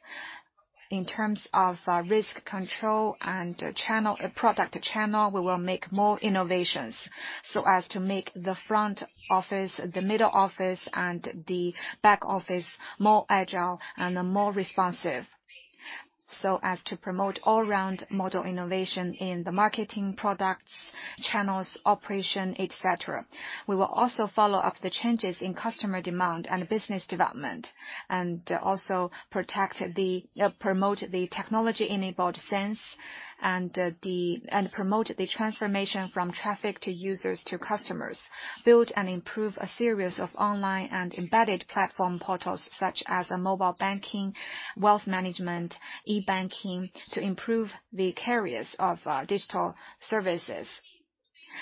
In terms of risk control and channels, product channels, we will make more innovations so as to make the front office, the middle office, and the back office more agile and more responsive, so as to promote all-round model innovation in the marketing products, channels, operation, et cetera. We will also follow up the changes in customer demand and business development, and promote the technology-enabled sense and promote the transformation from traffic to users to customers. Build and improve a series of online and embedded platform portals such as mobile banking, wealth management, e-banking to improve the carriers of digital services.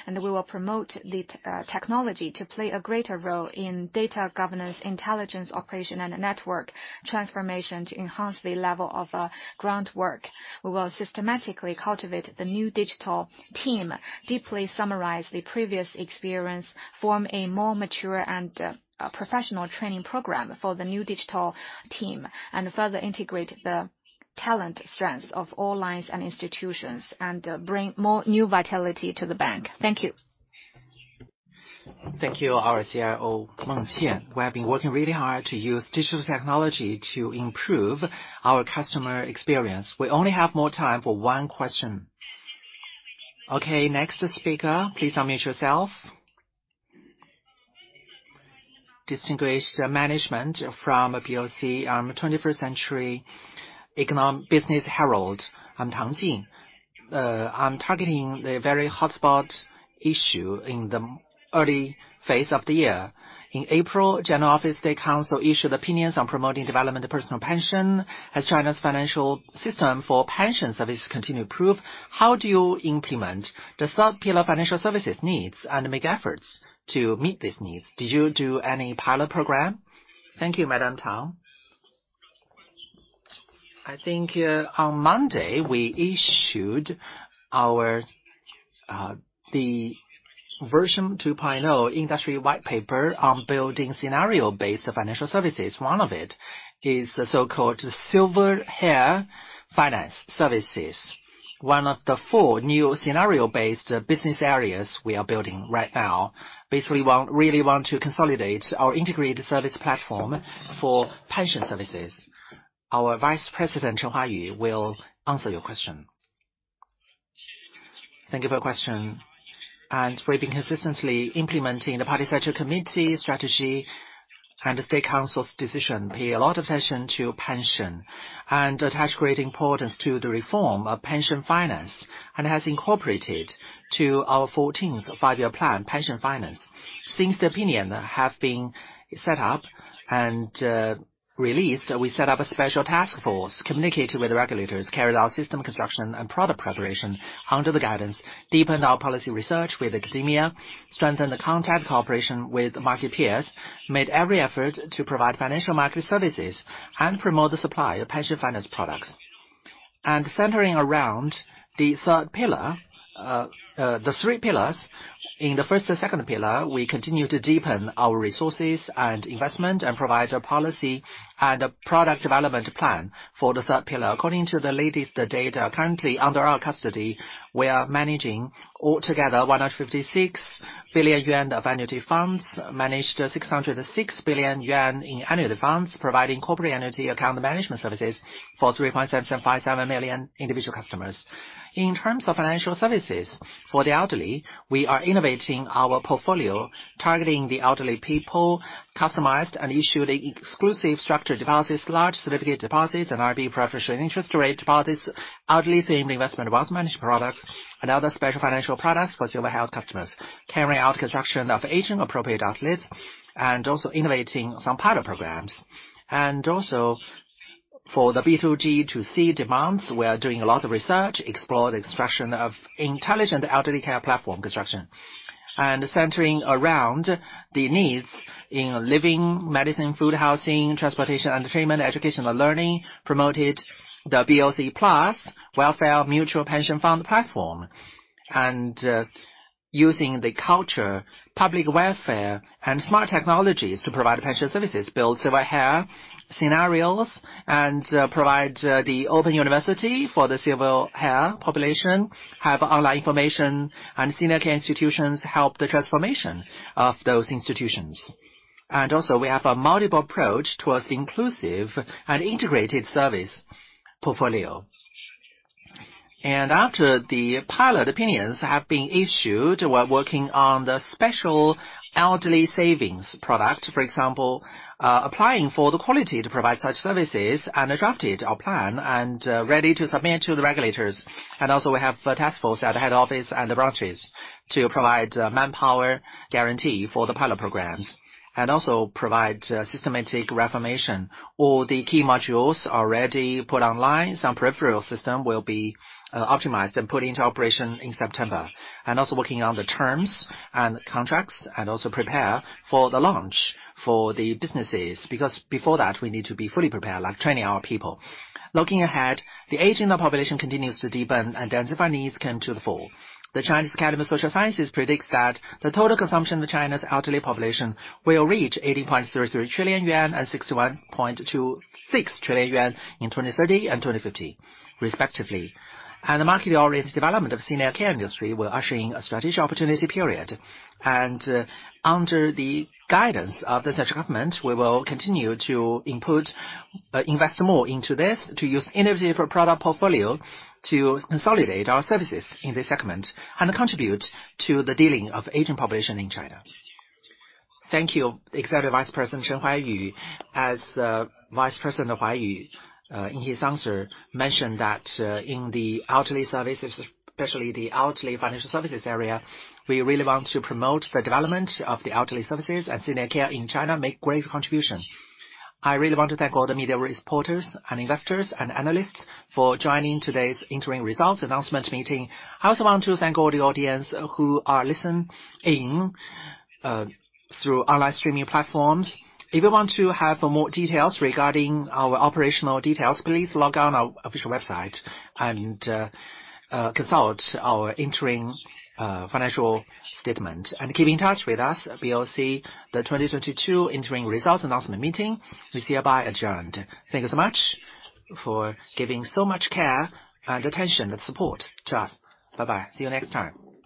We will promote the technology to play a greater role in data governance, intelligence, operation and network transformation to enhance the level of groundwork. We will systematically cultivate the new digital team, deeply summarize the previous experience, form a more mature and professional training program for the new digital team, and further integrate the talent strengths of all lines and institutions, and bring more new vitality to the bank. Thank you. Thank you, our CIO, Meng Qian, who have been working really hard to use digital technology to improve our customer experience. We only have time for one more question. Okay, next speaker, please unmute yourself. Distinguished management from BOC. I'm Twenty-First Century Business Herald. I'm Tang Xin. I'm targeting the very hotspot issue in the early phase of the year. In April, General Office of the State Council issued opinions on promoting development of personal pension as China's financial system for pension service continue to improve. How do you implement the third pillar financial services needs and make efforts to meet these needs? Did you do any pilot program? Thank you, Madam Tang. I think on Monday we issued our the version 2.0 industry white paper on building scenario-based financial services. One of it is the so-called Silver Hair Finance Services. One of the four new scenario-based business areas we are building right now. Basically really want to consolidate our integrated service platform for pension services. Our Vice President, Chen Huaiyu, will answer your question. Thank you for your question. We've been consistently implementing the Party Central Committee strategy and the State Council's decision, pay a lot of attention to pension, and attach great importance to the reform of pension finance, and has incorporated into our Fourteenth Five-Year Plan, pension finance. Since the opinion have been set up and released, we set up a special task force, communicated with the regulators, carried out system construction and product preparation under the guidance, deepened our policy research with academia, strengthened the contact cooperation with market peers, made every effort to provide financial market services and promote the supply of pension finance products. Centering around the third pillar, the three pillars. In the first and second pillar, we continue to deepen our resources and investment, and provide a policy and a product development plan for the third pillar. According to the latest data currently under our custody, we are managing altogether 156 billion yuan of annuity funds, managed 606 billion yuan in annuity funds, providing corporate annuity account management services for 3.757 million individual customers. In terms of financial services for the elderly, we are innovating our portfolio targeting the elderly people, customized and issued exclusive structured deposits, large certificate deposits, and RMB professional interest rate deposits, elderly-themed investment wealth management products, and other special financial products for silver hair customers. Carrying out construction of aging-appropriate outlets, and also innovating some pilot programs. For the B2G2C demands, we are doing a lot of research, explore the expansion of intelligent elderly care platform construction. Centering around the needs in living, medicine, food, housing, transportation, entertainment, educational learning, promoted the BOC Plus welfare mutual pension fund platform. Using the culture, public welfare, and smart technologies to provide pension services, build silver hair scenarios, and provide the open university for the silver hair population, have online information and senior care institutions help the transformation of those institutions. We have a multiple approach towards the inclusive and integrated service portfolio. After the pilot opinions have been issued, we're working on the special elderly savings product. For example, applying for the quota to provide such services and drafted a plan and ready to submit to the regulators. We have a task force at the head office and the branches to provide manpower guarantee for the pilot programs. Provide systematic reformation. All the key modules are ready put online, some peripheral system will be optimized and put into operation in September. Working on the terms and contracts, and also prepare for the launch for the businesses. Because before that, we need to be fully prepared, like training our people. Looking ahead, the aging population continues to deepen and densify needs come to the fore. The Chinese Academy of Social Sciences predicts that the total consumption of China's elderly population will reach 80.33 trillion yuan and 61.26 trillion yuan in 2030 and 2050 respectively. The market-oriented development of senior care industry will usher in a strategic opportunity period. Under the guidance of the central government, we will continue to input, invest more into this to use innovative product portfolio to consolidate our services in this segment and contribute to the dealing of aging population in China. Thank you, Executive Vice President Chen Huaiyu. As Vice President Huaiyu in his answer mentioned that in the elderly services, especially the elderly financial services area, we really want to promote the development of the elderly services and senior care in China, make great contribution. I really want to thank all the media reporters and investors and analysts for joining today's interim results announcement meeting. I also want to thank all the audience who are listening through online streaming platforms. If you want to have more details regarding our operational details, please log on our official website and consult our interim financial statement. Keep in touch with us. We will see. The 2022 interim results announcement meeting is hereby adjourned. Thank you so much for giving so much care and attention and support to us. Bye-bye. See you next time.